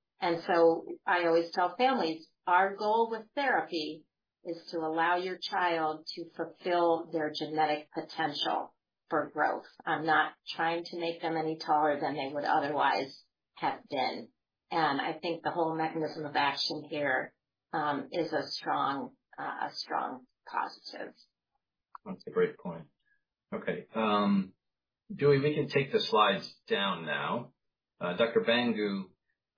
So I always tell families, our goal with therapy is to allow your child to fulfill their genetic potential for growth. I'm not trying to make them any taller than they would otherwise have been. And I think the whole mechanism of action here is a strong positive. That's a great point. Okay. Dewey, we can take the slides down now. Dr. Bhangu,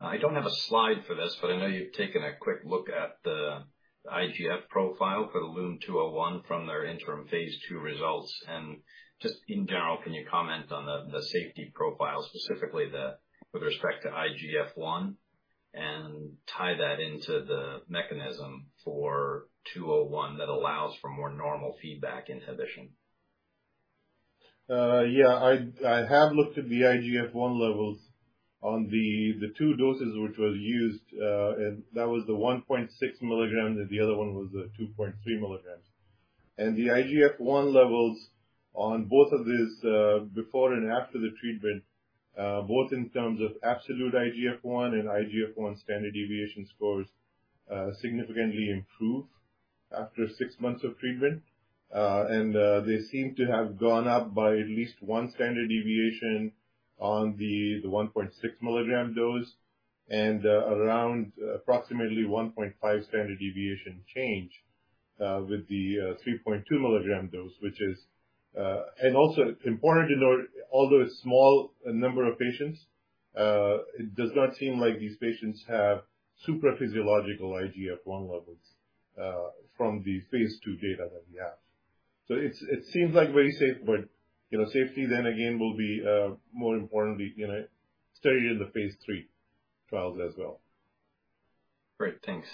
I don't have a slide for this, but I know you've taken a quick look at the IGF profile for the LUM-201 from their interim phase 2 results. And just in general, can you comment on the, the safety profile, specifically with respect to IGF-1, and tie that into the mechanism for 201 that allows for more normal feedback inhibition? Yeah, I have looked at the IGF-1 levels on the two doses which were used, and that was the 1.6 milligrams, and the other one was the 2.3 milligrams. And the IGF-1 levels on both of these, before and after the treatment, both in terms of absolute IGF-1 and IGF-1 standard deviation scores, significantly improve after six months of treatment. And they seem to have gone up by at least one standard deviation on the 1.6 milligram dose and around approximately 1.5 standard deviation change with the 3.2 milligram dose, which is. And also important to note, although a small number of patients, it does not seem like these patients have super physiological IGF-1 levels from the phase 2 data that we have. So it seems like it's very safe, but you know, safety then again will be more importantly you know studied in the phase three trials as well. Great. Thanks.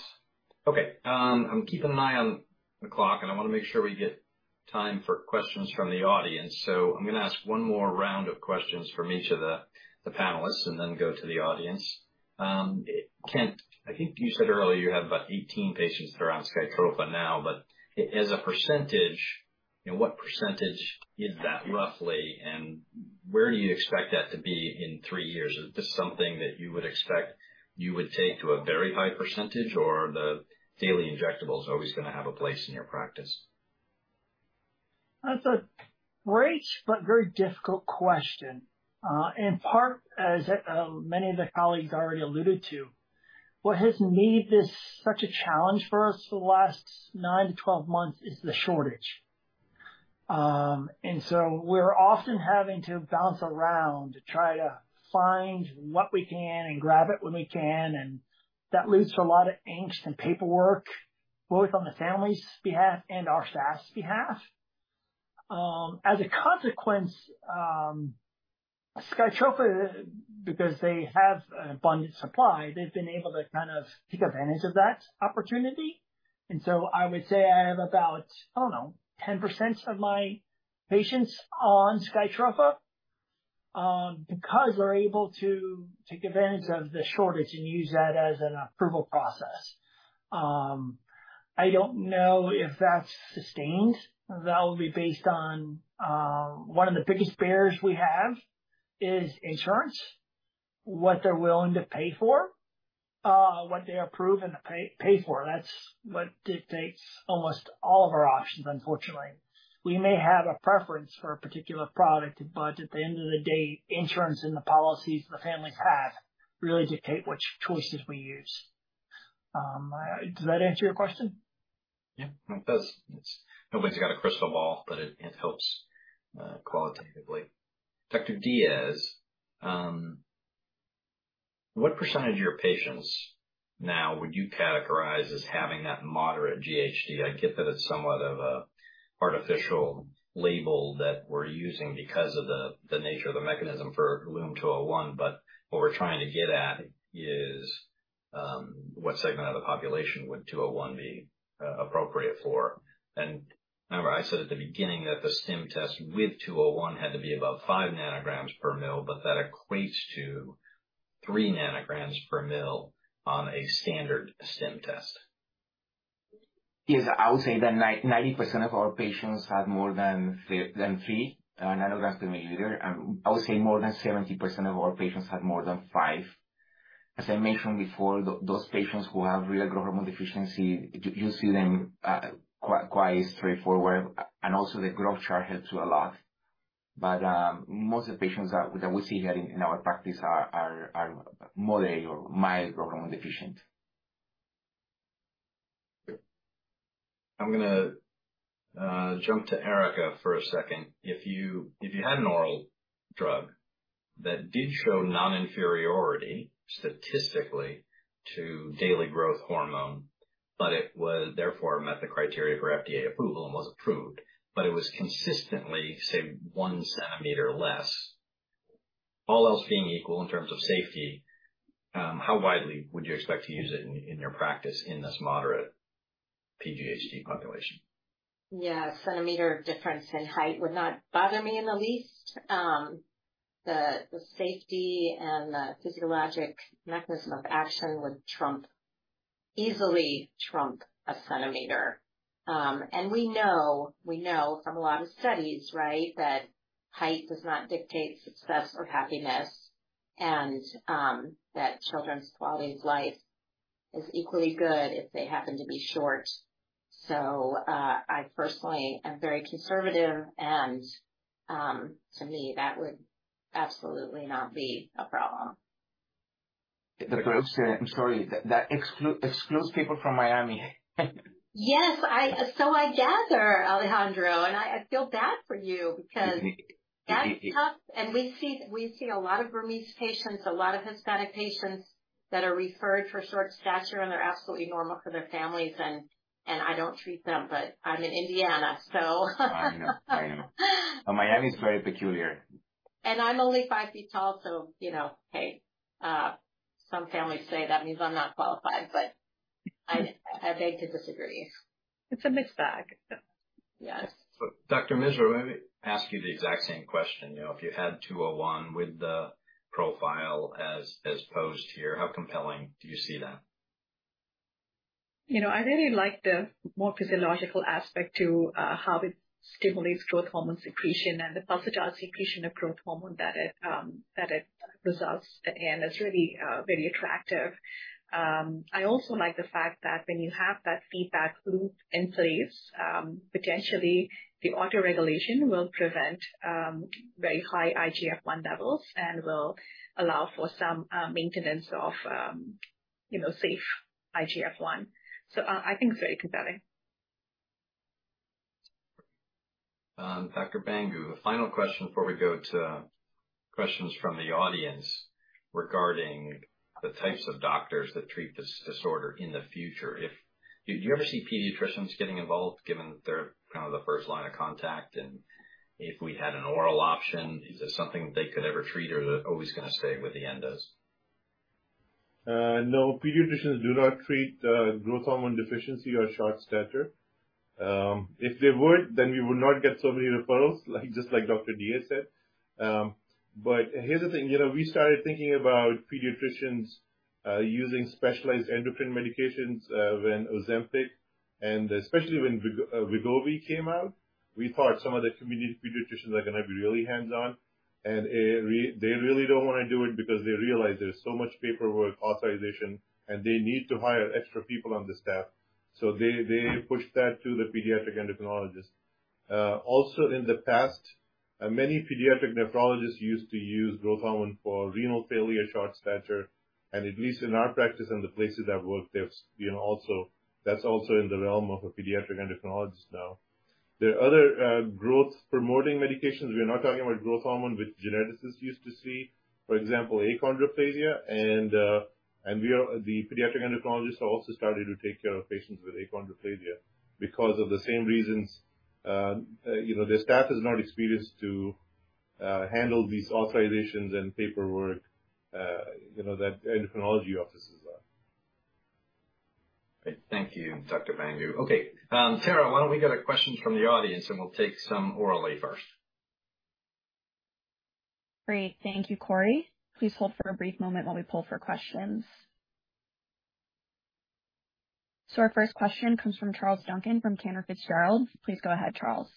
Okay, I'm keeping an eye on the clock, and I want to make sure we get time for questions from the audience. So I'm going to ask one more round of questions from each of the, the panelists and then go to the audience. Kent, I think you said earlier you have about 18 patients that are on SKYTROFA now, but as a percentage, you know, what percentage is that roughly? And where do you expect that to be in three years? Is this something that you would expect you would take to a very high percentage, or are the daily injectables always going to have a place in your practice? That's a great but very difficult question. In part, as many of the colleagues already alluded to, what has made this such a challenge for us for the last 9-12 months is the shortage. And so we're often having to bounce around to try to find what we can and grab it when we can, and that leads to a lot of angst and paperwork, both on the family's behalf and our staff's behalf. As a consequence, SKYTROFA, because they have an abundant supply, they've been able to kind of take advantage of that opportunity. And so I would say I have about, I don't know, 10% of my patients on SKYTROFA, because they're able to take advantage of the shortage and use that as an approval process. I don't know if that's sustained. That will be based on one of the biggest barriers we have is insurance, what they're willing to pay for, what they approve and pay for. That's what dictates almost all of our options, unfortunately. We may have a preference for a particular product, but at the end of the day, insurance and the policies the families have really dictate which choices we use. Does that answer your question? Yeah, it does. It's nobody's got a crystal ball, but it, it helps qualitatively. Dr. Diaz, what percentage of your patients now would you categorize as having that moderate GHD? I get that it's somewhat of a artificial label that we're using because of the, the nature of the mechanism for LUM-201, but what we're trying to get at is, what segment of the population would 201 be A, appropriate for? And remember I said at the beginning that the stim test with 201 had to be above 5 nanograms per ml, but that equates to 3 nanograms per ml on a standard stim test. Yes, I would say that 90% of our patients have more than than 3 nanograms per milliliter. I would say more than 70% of our patients have more than 5. As I mentioned before, those patients who have real growth hormone deficiency, you see them quite straightforward, and also the growth chart helps you a lot. But, most of the patients that we see here in our practice are moderate or mild hormone deficient. I'm going to jump to Erica for a second. If you had an oral drug that did show non-inferiority statistically to daily growth hormone, but it was therefore met the criteria for FDA approval and was approved, but it was consistently, say, 1 centimeter less. All else being equal in terms of safety, how widely would you expect to use it in your practice in this moderate PGHD population? Yeah, a centimeter difference in height would not bother me in the least. The safety and the physiologic mechanism of action would trump, easily trump a centimeter. And we know, we know from a lot of studies, right, that height does not dictate success or happiness, and that children's quality of life is equally good if they happen to be short. So, I personally am very conservative, and to me, that would absolutely not be a problem. The growth. I'm sorry, that excludes people from Miami. So I gather, Alejandro, and I feel bad for you because that's tough. And we see, we see a lot of Burmese patients, a lot of Hispanic patients that are referred for short stature, and they're absolutely normal for their families, and I don't treat them, but I'm in Indiana, so. I know, I know. But Miami is very peculiar. I'm only five feet tall, so you know, hey, some families say that means I'm not qualified, but I beg to disagree. It's a mixed bag. Yes. Dr. Misra, may I ask you the exact same question? You know, if you had LUM-201 with the profile as posed here, how compelling do you see that? You know, I really like the more physiological aspect to how it stimulates growth hormone secretion and the pulsatile secretion of growth hormone that it results, and it's really very attractive. I also like the fact that when you have that feedback loop in place, potentially the autoregulation will prevent very high IGF-I levels and will allow for some maintenance of, you know, safe IGF-I. So I think it's very compelling. Dr. Bhangu, a final question before we go to questions from the audience regarding the types of doctors that treat this disorder in the future. If, do you ever see pediatricians getting involved, given that they're kind of the first line of contact? And if we had an oral option, is this something they could ever treat, or is it always going to stay with the endos? No. Pediatricians do not treat growth hormone deficiency or short stature. If they would, then we would not get so many referrals, like, just like Dr. Diaz said. But here's the thing: You know, we started thinking about pediatricians using specialized endocrine medications when Ozempic and especially when Wegovy came out, we thought some of the community pediatricians are going to be really hands-on, and they really don't want to do it because they realize there's so much paperwork, authorization, and they need to hire extra people on the staff. So they push that to the pediatric endocrinologist. Also in the past, many pediatric nephrologists used to use growth hormone for renal failure, short stature, and at least in our practice and the places I've worked, there's, you know, also, that's also in the realm of a pediatric endocrinologist now. There are other growth-promoting medications. We're not talking about growth hormone, which geneticists used to see, for example, achondroplasia, and we are the pediatric endocrinologists also starting to take care of patients with achondroplasia because of the same reasons. You know, the staff is not experienced to handle these authorizations and paperwork, you know, that endocrinology offices are. Great. Thank you, Dr. Bhangu. Okay, Sarah, why don't we get a question from the audience, and we'll take some orally first? Great. Thank you, Corey. Please hold for a brief moment while we pull for questions. So our first question comes from Charles Duncan from Cantor Fitzgerald. Please go ahead, Charles.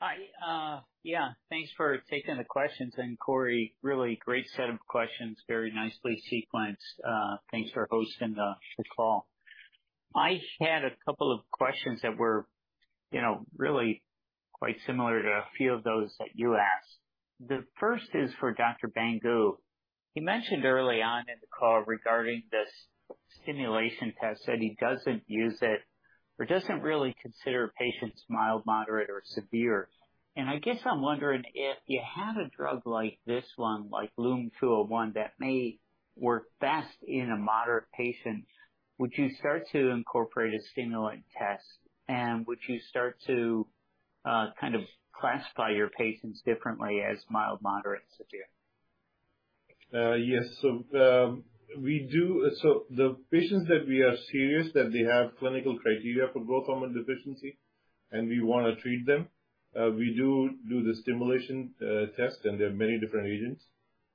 Hi. Yeah, thanks for taking the questions. And Corey, really great set of questions, very nicely sequenced. Thanks for hosting this call. I had a couple of questions that were, you know, really quite similar to a few of those that you asked. The first is for Dr. Bhangu. He mentioned early on in the call regarding this stimulation test, said he doesn't use it or doesn't really consider patients mild, moderate, or severe. And I guess I'm wondering if you had a drug like this one, like LUM-201, that may work best in a moderate patient, would you start to incorporate a stimulation test, and would you start to kind of classify your patients differently as mild, moderate, severe? Yes. So, the patients that we are serious, that they have clinical criteria for growth hormone deficiency, and we want to treat them, we do do the stimulation test, and there are many different agents.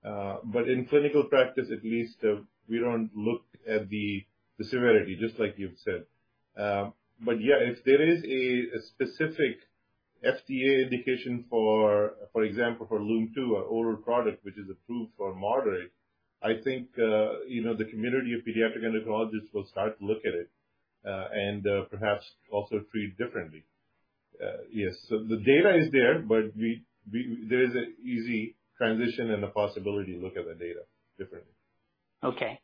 But in clinical practice at least, we don't look at the severity, just like you've said. But yeah, if there is a specific FDA indication for, for example, for LUM-201, an oral product which is approved for moderate, I think, you know, the community of pediatric endocrinologists will start to look at it, and perhaps also treat differently. Yes, so the data is there, but we, there is an easy transition and a possibility to look at the data differently. Okay.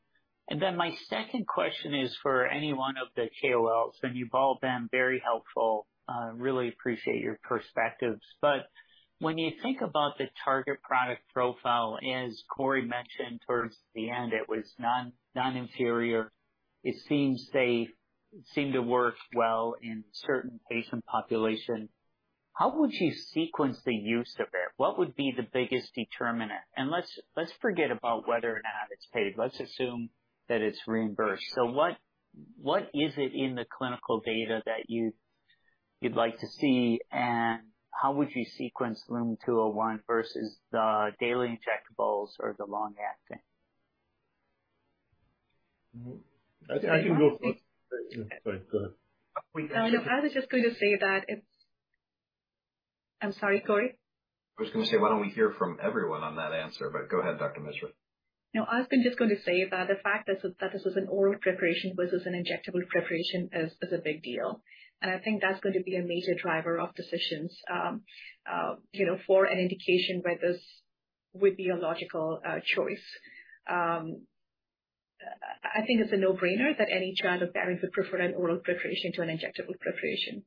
And then my second question is for any one of the KOLs, and you've all been very helpful. Really appreciate your perspectives. But when you think about the target product profile, as Corey mentioned towards the end, it was non-inferior. It seems to work well in certain patient population. How would you sequence the use of it? What would be the biggest determinant? And let's forget about whether or not it's paid. Let's assume that it's reimbursed. So what is it in the clinical data that you'd like to see? And how would you sequence LUM-201 versus the daily injectables or the long-acting? I think I can go first. Sorry, go ahead. I was just going to say that it's. I'm sorry, Corey? I was going to say, why don't we hear from everyone on that answer? But go ahead, Dr. Misra. No, I was just going to say that the fact that this, that this is an oral preparation versus an injectable preparation is, is a big deal. I think that's going to be a major driver of decisions. You know, for an indication where this would be a logical choice. I think it's a no-brainer that any child or parent would prefer an oral preparation to an injectable preparation,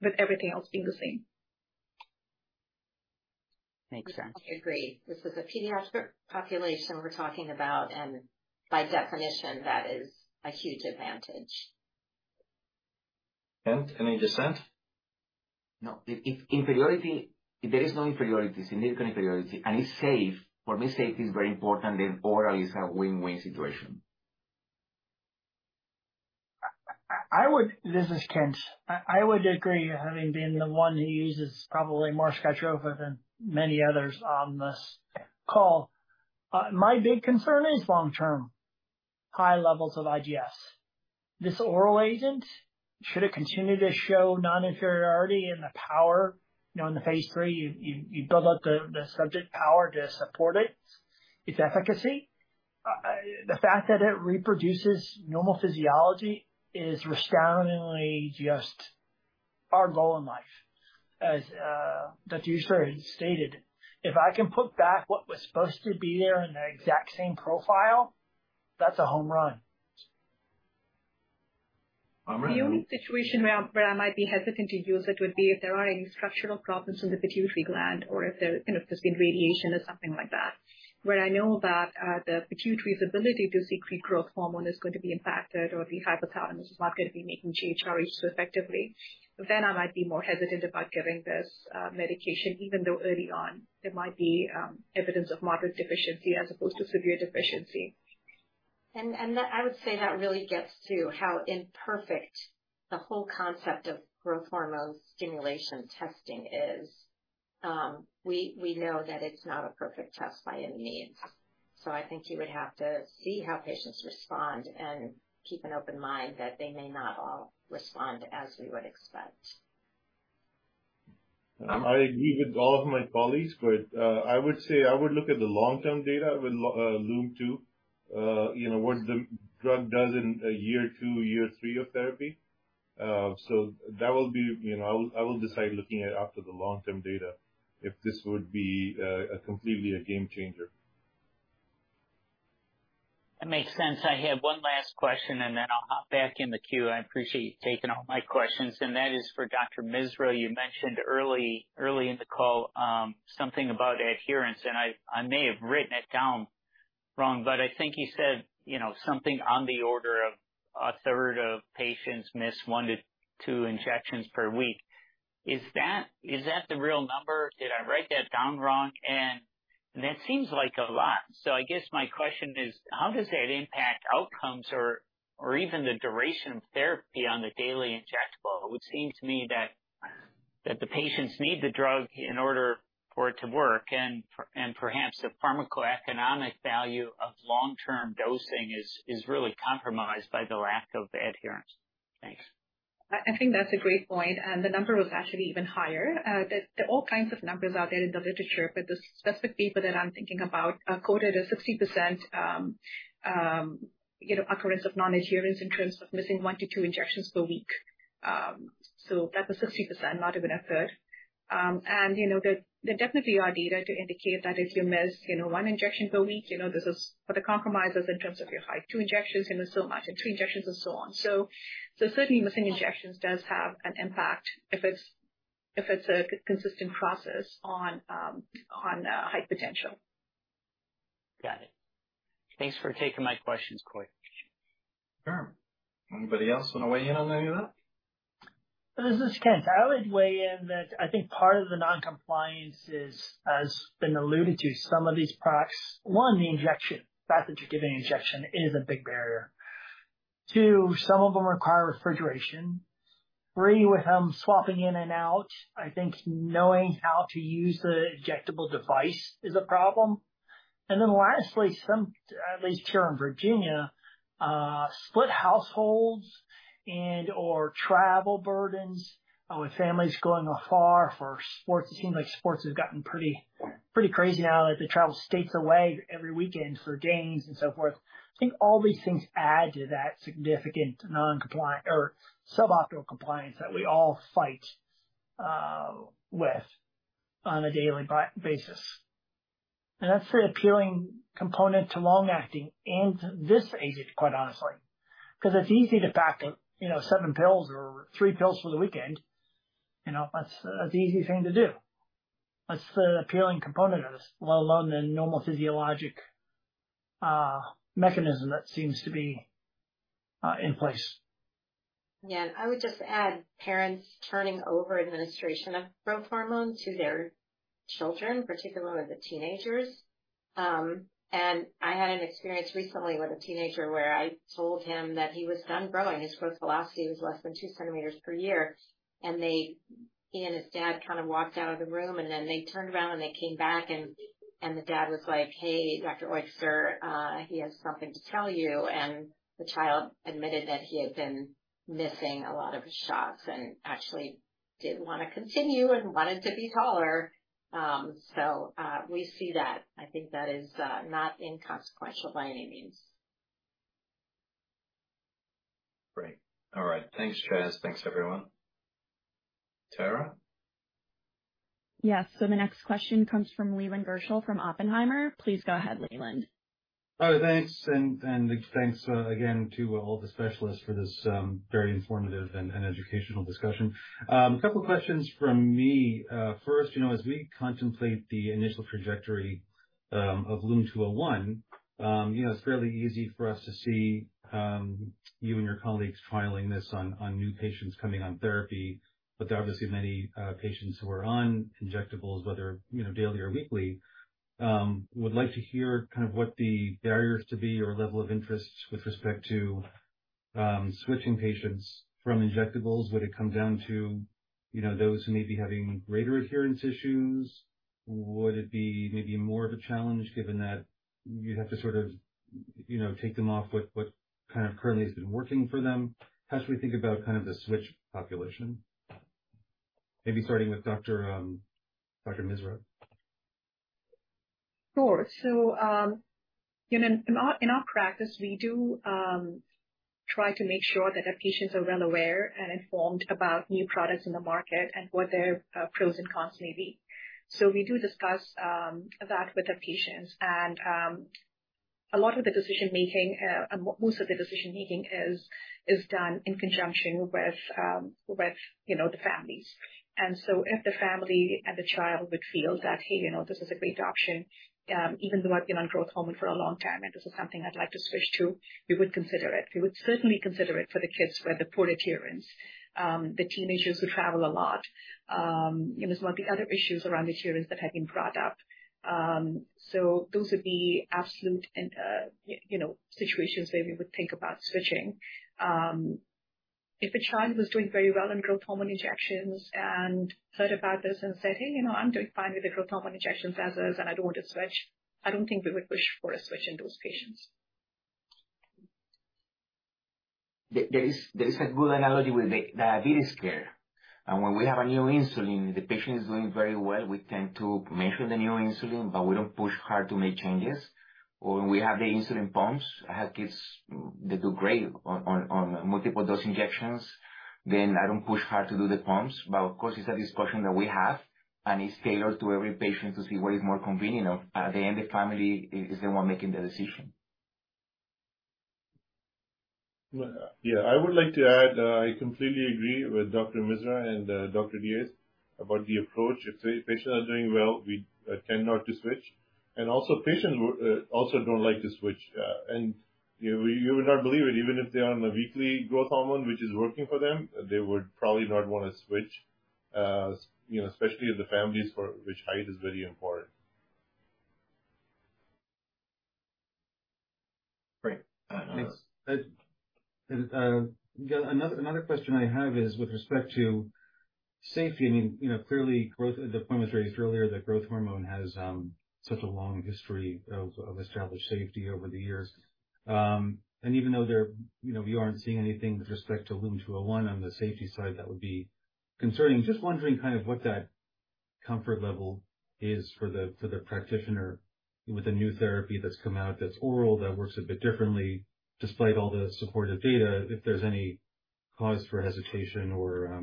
with everything else being the same. Makes sense. I agree. This is a pediatric population we're talking about, and by definition, that is a huge advantage. Any dissent? No. if inferiority, if there is no inferiority, significant inferiority, and it's safe, for me, safety is very important, then oral is a win-win situation. This is Kent. I would agree, having been the one who uses probably more SKYTROFA than many others on this call. My big concern is long-term high levels of IGF-1. This oral agent, should it continue to show non-inferiority and the power, you know, in the phase three, you build up the subject power to support its efficacy. The fact that it reproduces normal physiology is resoundingly just our goal in life. As Dr. Eugster stated, "If I can put back what was supposed to be there in the exact same profile, that's a home run. The only situation where I might be hesitant to use it would be if there are any structural problems in the pituitary gland or if there, you know, there's been radiation or something like that, where I know that the pituitary's ability to secrete growth hormone is going to be impacted or the hypothalamus is not going to be making GHRH effectively. Then I might be more hesitant about giving this medication, even though early on there might be evidence of moderate deficiency as opposed to severe deficiency. I would say that really gets to how imperfect the whole concept of growth hormone stimulation testing is. We know that it's not a perfect test by any means. So I think you would have to see how patients respond and keep an open mind that they may not all respond as we would expect. I agree with all of my colleagues, but I would say I would look at the long-term data with LUM-201. You know, what the drug does in a year 2, year 3 of therapy. So that will be, you know, I will, I will decide looking at after the long-term data, if this would be a completely a game changer. That makes sense. I have one last question, and then I'll hop back in the queue. I appreciate you taking all my questions, and that is for Dr. Misra. You mentioned early, early in the call, something about adherence, and I, I may have written it down wrong, but I think you said, you know, something on the order of a third of patients miss 1-2 injections per week. Is that, is that the real number? Did I write that down wrong? And that seems like a lot. So I guess my question is: how does that impact outcomes or, or even the duration of therapy on the daily injectable? It would seem to me that, that the patients need the drug in order for it to work, and per- and perhaps the pharmacoeconomic value of long-term dosing is, is really compromised by the lack of adherence. Thanks. I think that's a great point, and the number was actually even higher. All kinds of numbers out there in the literature, but the specific paper that I'm thinking about quoted a 60%, you know, occurrence of non-adherence in terms of missing one to two injections per week. So that was 60%, not even a third. You know, there definitely are data to indicate that if you miss, you know, one injection per week, you know, this is what the compromise is in terms of your height. Two injections, you know, so much, and three injections and so on. So certainly missing injections does have an impact if it's a consistent process on height potential. Got it. Thanks for taking my questions, Corey. Sure. Anybody else want to weigh in on any of that? This is Kent. I would weigh in that I think part of the non-compliance is, has been alluded to some of these products. One, the injection. The fact that you're giving an injection is a big barrier. Two, some of them require refrigeration. Three, with swapping in and out, I think knowing how to use the injectable device is a problem. And then lastly, some, at least here in Virginia, split households and/or travel burdens with families going afar for sports. It seems like sports has gotten pretty, pretty crazy now that they travel states away every weekend for games and so forth. I think all these things add to that significant non-compliance or suboptimal compliance that we all fight with. On a daily basis. And that's the appealing component to long-acting and this agent, quite honestly, 'cause it's easy to pack, you know, seven pills or three pills for the weekend. You know, that's, that's the easy thing to do. That's the appealing component of this, let alone the normal physiologic mechanism that seems to be in place. Yeah. I would just add parents turning over administration of growth hormone to their children, particularly the teenagers. I had an experience recently with a teenager where I told him that he was done growing. His growth velocity was less than 2 centimeters per year, and they... He and his dad kind of walked out of the room, and then they turned around, and they came back, and the dad was like, "Hey, Dr. Eugster, he has something to tell you." The child admitted that he had been missing a lot of his shots and actually did want to continue and wanted to be taller. So, we see that. I think that is not inconsequential by any means. Great. All right. Thanks, guys. Thanks, everyone. Tara? Yes. So the next question comes from Leland Gershell from Oppenheimer. Please go ahead, Leland. Oh, thanks, and thanks again to all the specialists for this very informative and educational discussion. A couple of questions from me. First, you know, as we contemplate the initial trajectory of LUM-201, you know, it's fairly easy for us to see you and your colleagues trialing this on new patients coming on therapy. But there are obviously many patients who are on injectables, whether, you know, daily or weekly. Would like to hear kind of what the barriers to be, or level of interest with respect to switching patients from injectables. Would it come down to, you know, those who may be having greater adherence issues? Would it be maybe more of a challenge, given that you'd have to sort of, you know, take them off what kind of currently has been working for them? How should we think about kind of the switch population? Maybe starting with Dr. Misra. Sure. So, you know, in our practice, we do try to make sure that our patients are well aware and informed about new products in the market and what their pros and cons may be. So we do discuss that with our patients. And, a lot of the decision making, most of the decision making is done in conjunction with, you know, the families. And so if the family and the child would feel that, hey, you know, this is a great option, even though I've been on growth hormone for a long time, and this is something I'd like to switch to, we would consider it. We would certainly consider it for the kids who have the poor adherence, the teenagers who travel a lot, you know, some of the other issues around adherence that have been brought up. So those would be absolute and, you know, situations where we would think about switching. If a child was doing very well on growth hormone injections and heard about this and said, "Hey, you know, I'm doing fine with the growth hormone injections as is, and I don't want to switch," I don't think we would push for a switch in those patients. There is a good analogy with the diabetes care. And when we have a new insulin, the patient is doing very well, we tend to measure the new insulin, but we don't push hard to make changes. Or we have the insulin pumps. I have kids that do great on multiple dose injections, then I don't push hard to do the pumps. But of course, it's a discussion that we have, and it's tailored to every patient to see what is more convenient of. At the end, the family is the one making the decision. Yeah. I would like to add, I completely agree with Dr. Misra and Dr. Diaz about the approach. If the patients are doing well, we tend not to switch. And also, patients also don't like to switch. And you, you would not believe it, even if they are on a weekly growth hormone, which is working for them, they would probably not want to switch, you know, especially if the families for which height is very important. Great. Thanks. Another question I have is with respect to safety. I mean, you know, clearly, growth. The point was raised earlier that growth hormone has such a long history of established safety over the years. And even though there, you know, we aren't seeing anything with respect to LUM-201 on the safety side, that would be concerning. Just wondering kind of what that comfort level is for the practitioner with a new therapy that's come out, that's oral, that works a bit differently, despite all the supportive data, if there's any cause for hesitation or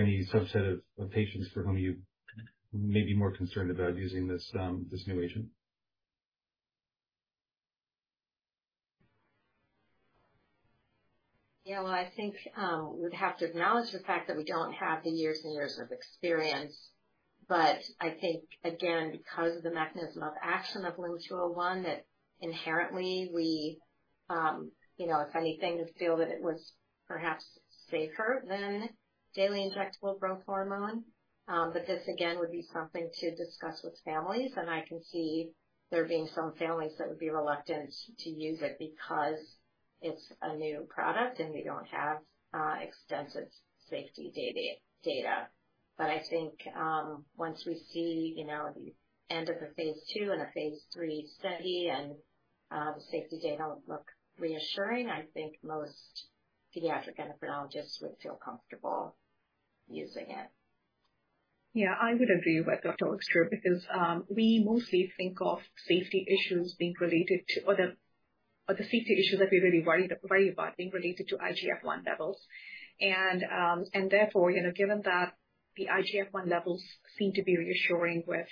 any subset of patients for whom you may be more concerned about using this new agent. Yeah, well, I think, we'd have to acknowledge the fact that we don't have the years and years of experience, but I think, again, because of the mechanism of action of LUM-201, that inherently we, you know, if anything, feel that it was perhaps safer than daily injectable growth hormone. But this again, would be something to discuss with families, and I can see there being some families that would be reluctant to use it because it's a new product, and we don't have, extensive safety data. But I think, once we see, you know, the end of the phase two and a phase three study and, the safety data look reassuring, I think most pediatric endocrinologists would feel comfortable using it. Yeah, I would agree with Dr. Eugster because, we mostly think of safety issues being related to. But the safety issues that we're really worried about being related to IGF-1 levels. And, and therefore, you know, given that the IGF-1 levels seem to be reassuring with,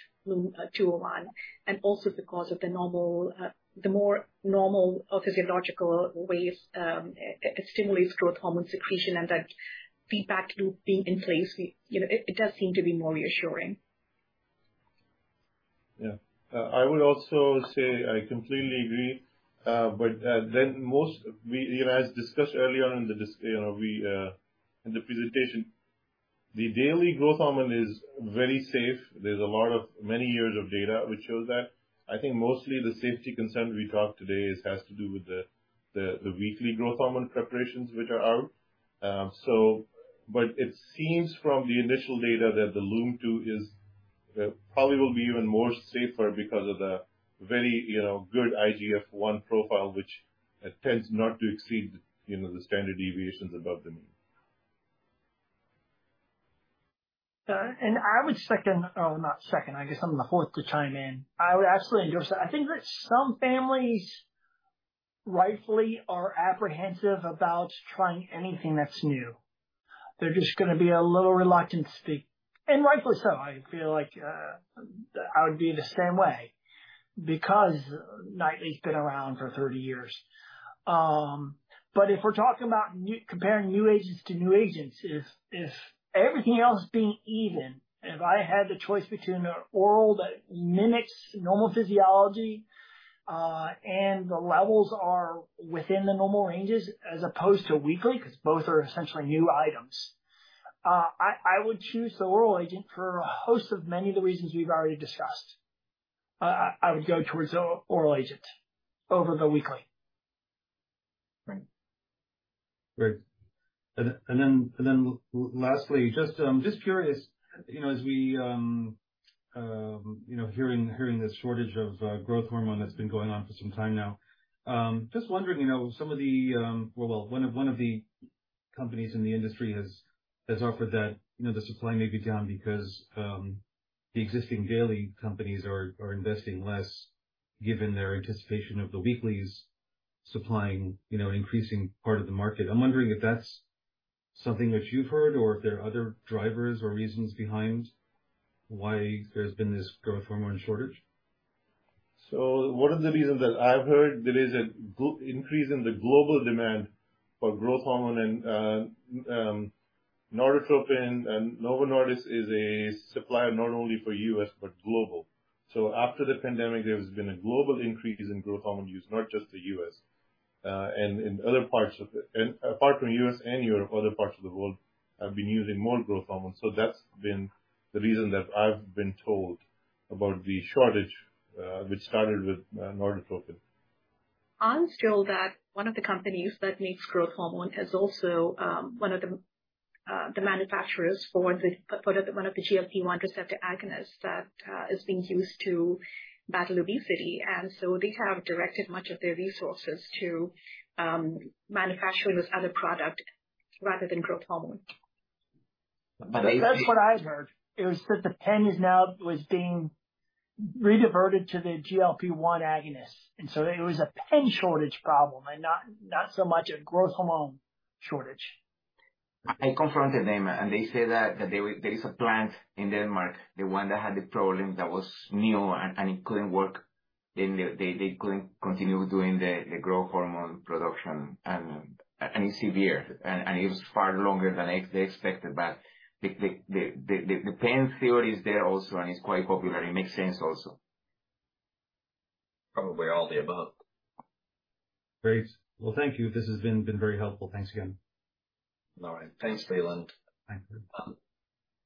201, and also because of the normal, the more normal or physiological ways, it stimulates growth hormone secretion and that feedback loop being in place, you know, it does seem to be more reassuring. Yeah. I would also say I completely agree. But, you know, as discussed earlier on in the discussion, you know, in the presentation, the daily growth hormone is very safe. There's a lot of many years of data which shows that. I think mostly the safety concern we talked today is has to do with the weekly growth hormone preparations, which are out. So but it seems from the initial data that the LUM-201 is probably will be even more safer because of the very, you know, good IGF-1 profile, which tends not to exceed, you know, the standard deviations above the mean. And I would second or not second, I guess I'm the fourth to chime in. I would absolutely endorse that. I think that some families rightfully are apprehensive about trying anything that's new. There's just going to be a little reluctance to. And rightfully so. I feel like, I would be the same way because nightly's been around for 30 years. But if we're talking about new, comparing new agents to new agents, if everything else being even, if I had the choice between an oral that mimics normal physiology, and the levels are within the normal ranges as opposed to weekly, because both are essentially new items, I would choose the oral agent for a host of many of the reasons we've already discussed. I would go towards the oral agent over the weekly. Right. Great. And then lastly, just curious, you know, as we, you know, hearing this shortage of growth hormone that's been going on for some time now. Just wondering, you know, some of the, well, one of the companies in the industry has offered that, you know, the supply may be down because the existing daily companies are investing less, given their anticipation of the weeklies supplying, you know, increasing part of the market. I'm wondering if that's something that you've heard or if there are other drivers or reasons behind why there's been this growth hormone shortage. So one of the reasons that I've heard, there is a global increase in the global demand for growth hormone and, Norditropin and Novo Nordisk is a supplier not only for U.S., but global. So after the pandemic, there's been a global increase in growth hormone use, not just the U.S. And in other parts of the world. And apart from U.S. and Europe, other parts of the world have been using more growth hormone. So that's been the reason that I've been told about the shortage, which started with, Norditropin. I'm sure that one of the companies that makes growth hormone is also one of the manufacturers for the one of the GLP-1 receptor agonists that is being used to battle obesity. And so they have directed much of their resources to manufacturing this other product rather than growth hormone. That's what I heard. It was that the pen is now, was being rediverted to the GLP-I agonist, and so it was a pen shortage problem and not, not so much a growth hormone shortage. I confronted them, and they said that there is a plant in Denmark, the one that had the problem, that was new, and it couldn't work. Then they couldn't continue doing the growth hormone production. And it's severe, and it was far longer than they expected, but the pen theory is there also, and it's quite popular, and it makes sense also. Probably all the above. Great. Well, thank you. This has been very helpful. Thanks again. All right. Thanks, Leland. Thank you.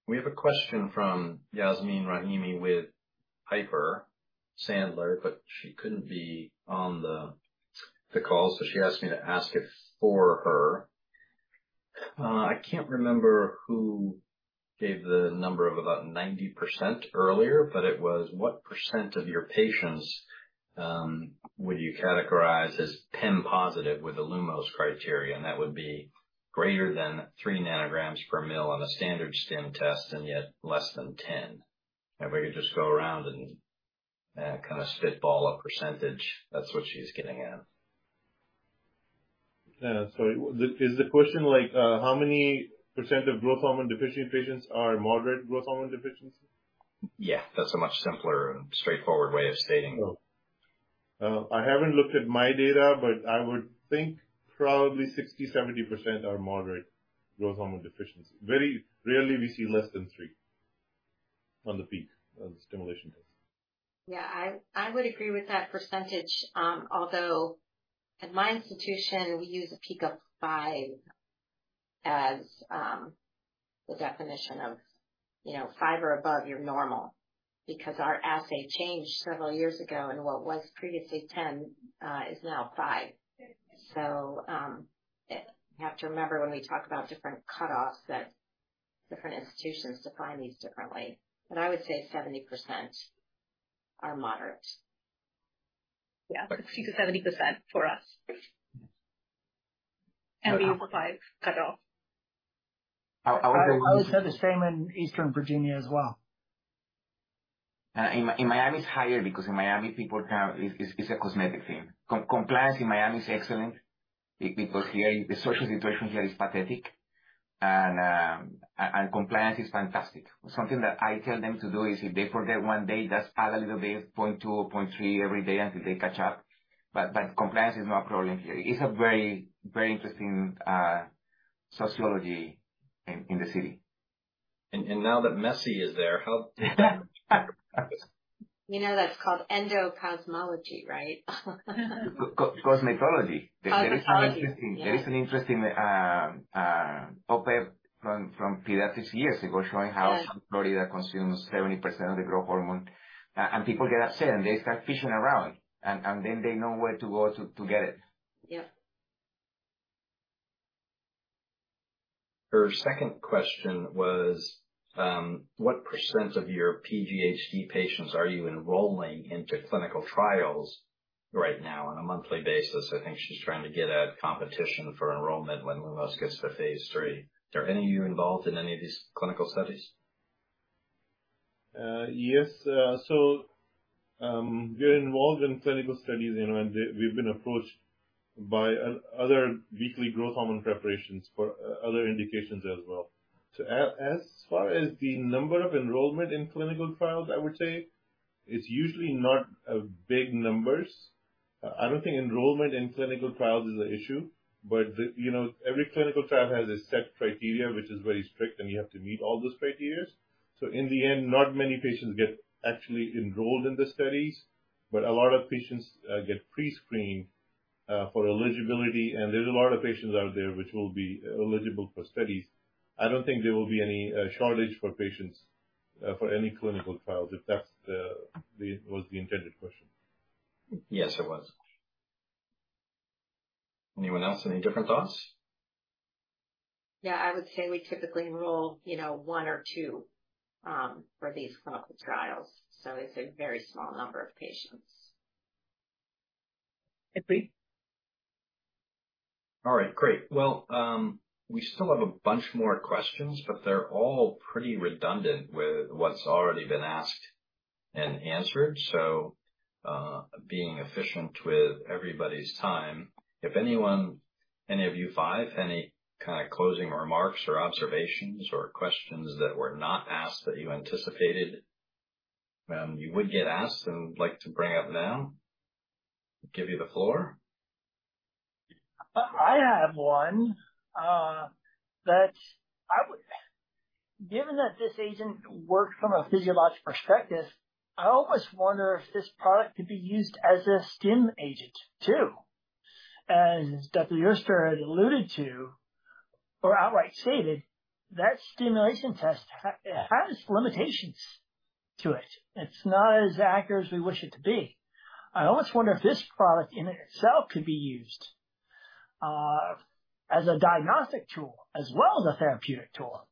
We have a question from Yasmine Rahimi with Piper Sandler, but she couldn't be on the call, so she asked me to ask it for her. I can't remember who gave the number of about 90% earlier, but it was: What percent of your patients would you categorize as PIM positive with the Lumos criteria? And that would be greater than three nanograms per ml on a standard stim test, and yet less than ten. Everybody could just go around and kind of spitball a percentage. That's what she's getting at. Sorry, is the question like, how many % of growth hormone deficiency patients are moderate growth hormone deficiency? Yeah, that's a much simpler and straightforward way of stating. I haven't looked at my data, but I would think probably 60%-70% are moderate growth hormone deficiency. Very rarely we see less than 3 on the peak of the stimulation test. Yeah, I would agree with that percentage. Although at my institution, we use a peak of 5 as the definition of, you know, 5 or above your normal, because our assay changed several years ago, and what was previously 10 is now 5. So, you have to remember, when we talk about different cutoffs, that different institutions define these differently. But I would say 70% are moderate. Yeah, 70% for us. And be 5 adult. I would say the same in Eastern Virginia as well. In Miami, it's higher, because in Miami, people can. It's a cosmetic thing. Compliance in Miami is excellent because here, the social situation here is pathetic, and compliance is fantastic. Something that I tell them to do is if they forget one day, just add a little bit, 0.2 or 0.3 every day until they catch up. But compliance is not a problem here. It's a very, very interesting sociology in the city. And now that Messi is there, how. You know, that's called endocrinology, right? Co-cosmetology. Cosmetology. There is an interesting op-ed from Pediatrics years ago showing how. Yeah. Somebody that consumes 70% of the growth hormone, and people get upset, and they start fishing around, and, and then they know where to go to get it. Yep. Her second question was, what % of your PGHD patients are you enrolling into clinical trials right now on a monthly basis? I think she's trying to get at competition for enrollment when Lumos gets to phase three. Are any of you involved in any of these clinical studies? Yes. So, we are involved in clinical studies, you know, and we've been approached by other weekly growth hormone preparations for other indications as well. So as far as the number of enrollment in clinical trials, I would say it's usually not big numbers. I don't think enrollment in clinical trials is an issue, but. You know, every clinical trial has a set criteria, which is very strict, and you have to meet all those criteria. So in the end, not many patients get actually enrolled in the studies, but a lot of patients get pre-screened for eligibility, and there's a lot of patients out there which will be eligible for studies. I don't think there will be any shortage for patients for any clinical trials, if that's what was the intended question. Yes, it was. Anyone else, any different thoughts? Yeah, I would say we typically enroll, you know, one or two for these clinical trials, so it's a very small number of patients. Agreed. All right, great. Well, we still have a bunch more questions, but they're all pretty redundant with what's already been asked and answered. So, being efficient with everybody's time, if anyone, any of you five, any kind of closing remarks or observations or questions that were not asked that you anticipated, you would get asked and like to bring up now? Give you the floor. Given that this agent works from a physiological perspective, I almost wonder if this product could be used as a stim agent, too. As Dr. Eugster had alluded to, or outright stated, that stimulation test has limitations to it. It's not as accurate as we wish it to be. I almost wonder if this product in itself could be used as a diagnostic tool as well as a therapeutic tool.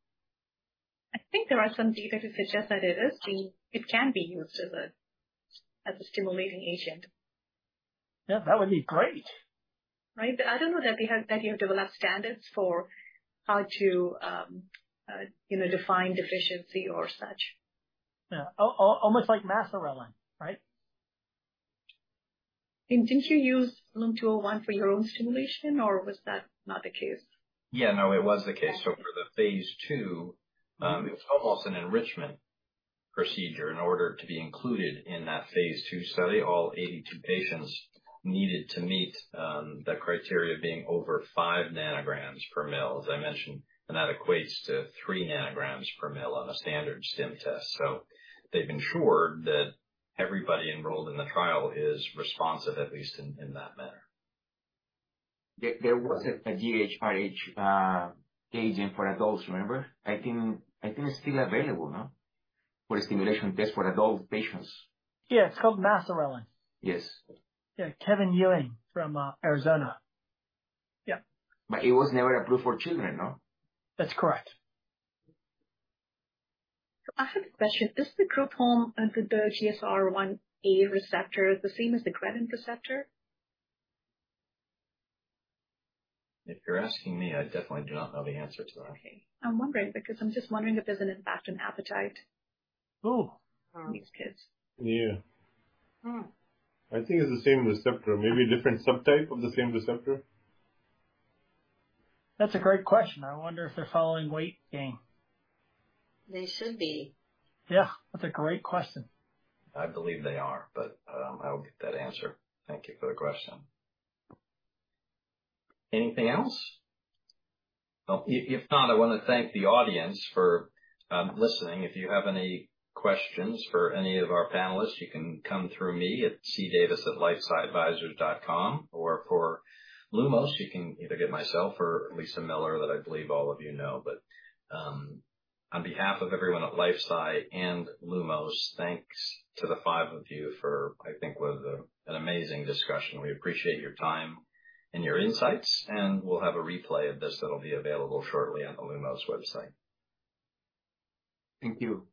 I think there are some data to suggest that it can be used as a stimulating agent. Yeah, that would be great! Right? But I don't know that we have any developed standards for how to, you know, define deficiency or such. Yeah. Almost like Macroorelin, right? And didn't you use LUM-201 for your own stimulation, or was that not the case? Yeah. No, it was the case. So for the phase 2, it's almost an enrichment procedure. In order to be included in that phase 2 study, all 82 patients needed to meet the criteria being over 5 nanograms per ml, as I mentioned, and that equates to 3 nanograms per ml on a standard stim test. So they've ensured that everybody enrolled in the trial is responsive, at least in that manner. There was a GHRH agent for adults, remember? I think, I think it's still available, no? For a stimulation test for adult patients. Yeah, it's called Macroorelin. Yes. Yeah. Kevin Ewing from Arizona. Yeah. But it was never approved for children, no? That's correct. I have a question. Is the growth hormone under the GHSR1a receptor the same as the ghrelin receptor? If you're asking me, I definitely do not know the answer to that. Okay. I'm wondering because I'm just wondering if there's an impact on appetite. Oh! In these kids. Yeah. Hmm. I think it's the same receptor, maybe different subtype of the same receptor. That's a great question. I wonder if they're following weight gain. They should be. Yeah, that's a great question. I believe they are, but I will get that answer. Thank you for the question. Anything else? Well, if not, I want to thank the audience for listening. If you have any questions for any of our panelists, you can come through me at cdavis@lifesciadvisors.com, or for Lumos, you can either get myself or Lisa Miller, that I believe all of you know. But on behalf of everyone at Life Sci and Lumos, thanks to the five of you for, I think, was an amazing discussion. We appreciate your time and your insights, and we'll have a replay of this that'll be available shortly on the Lumos website. Thank you.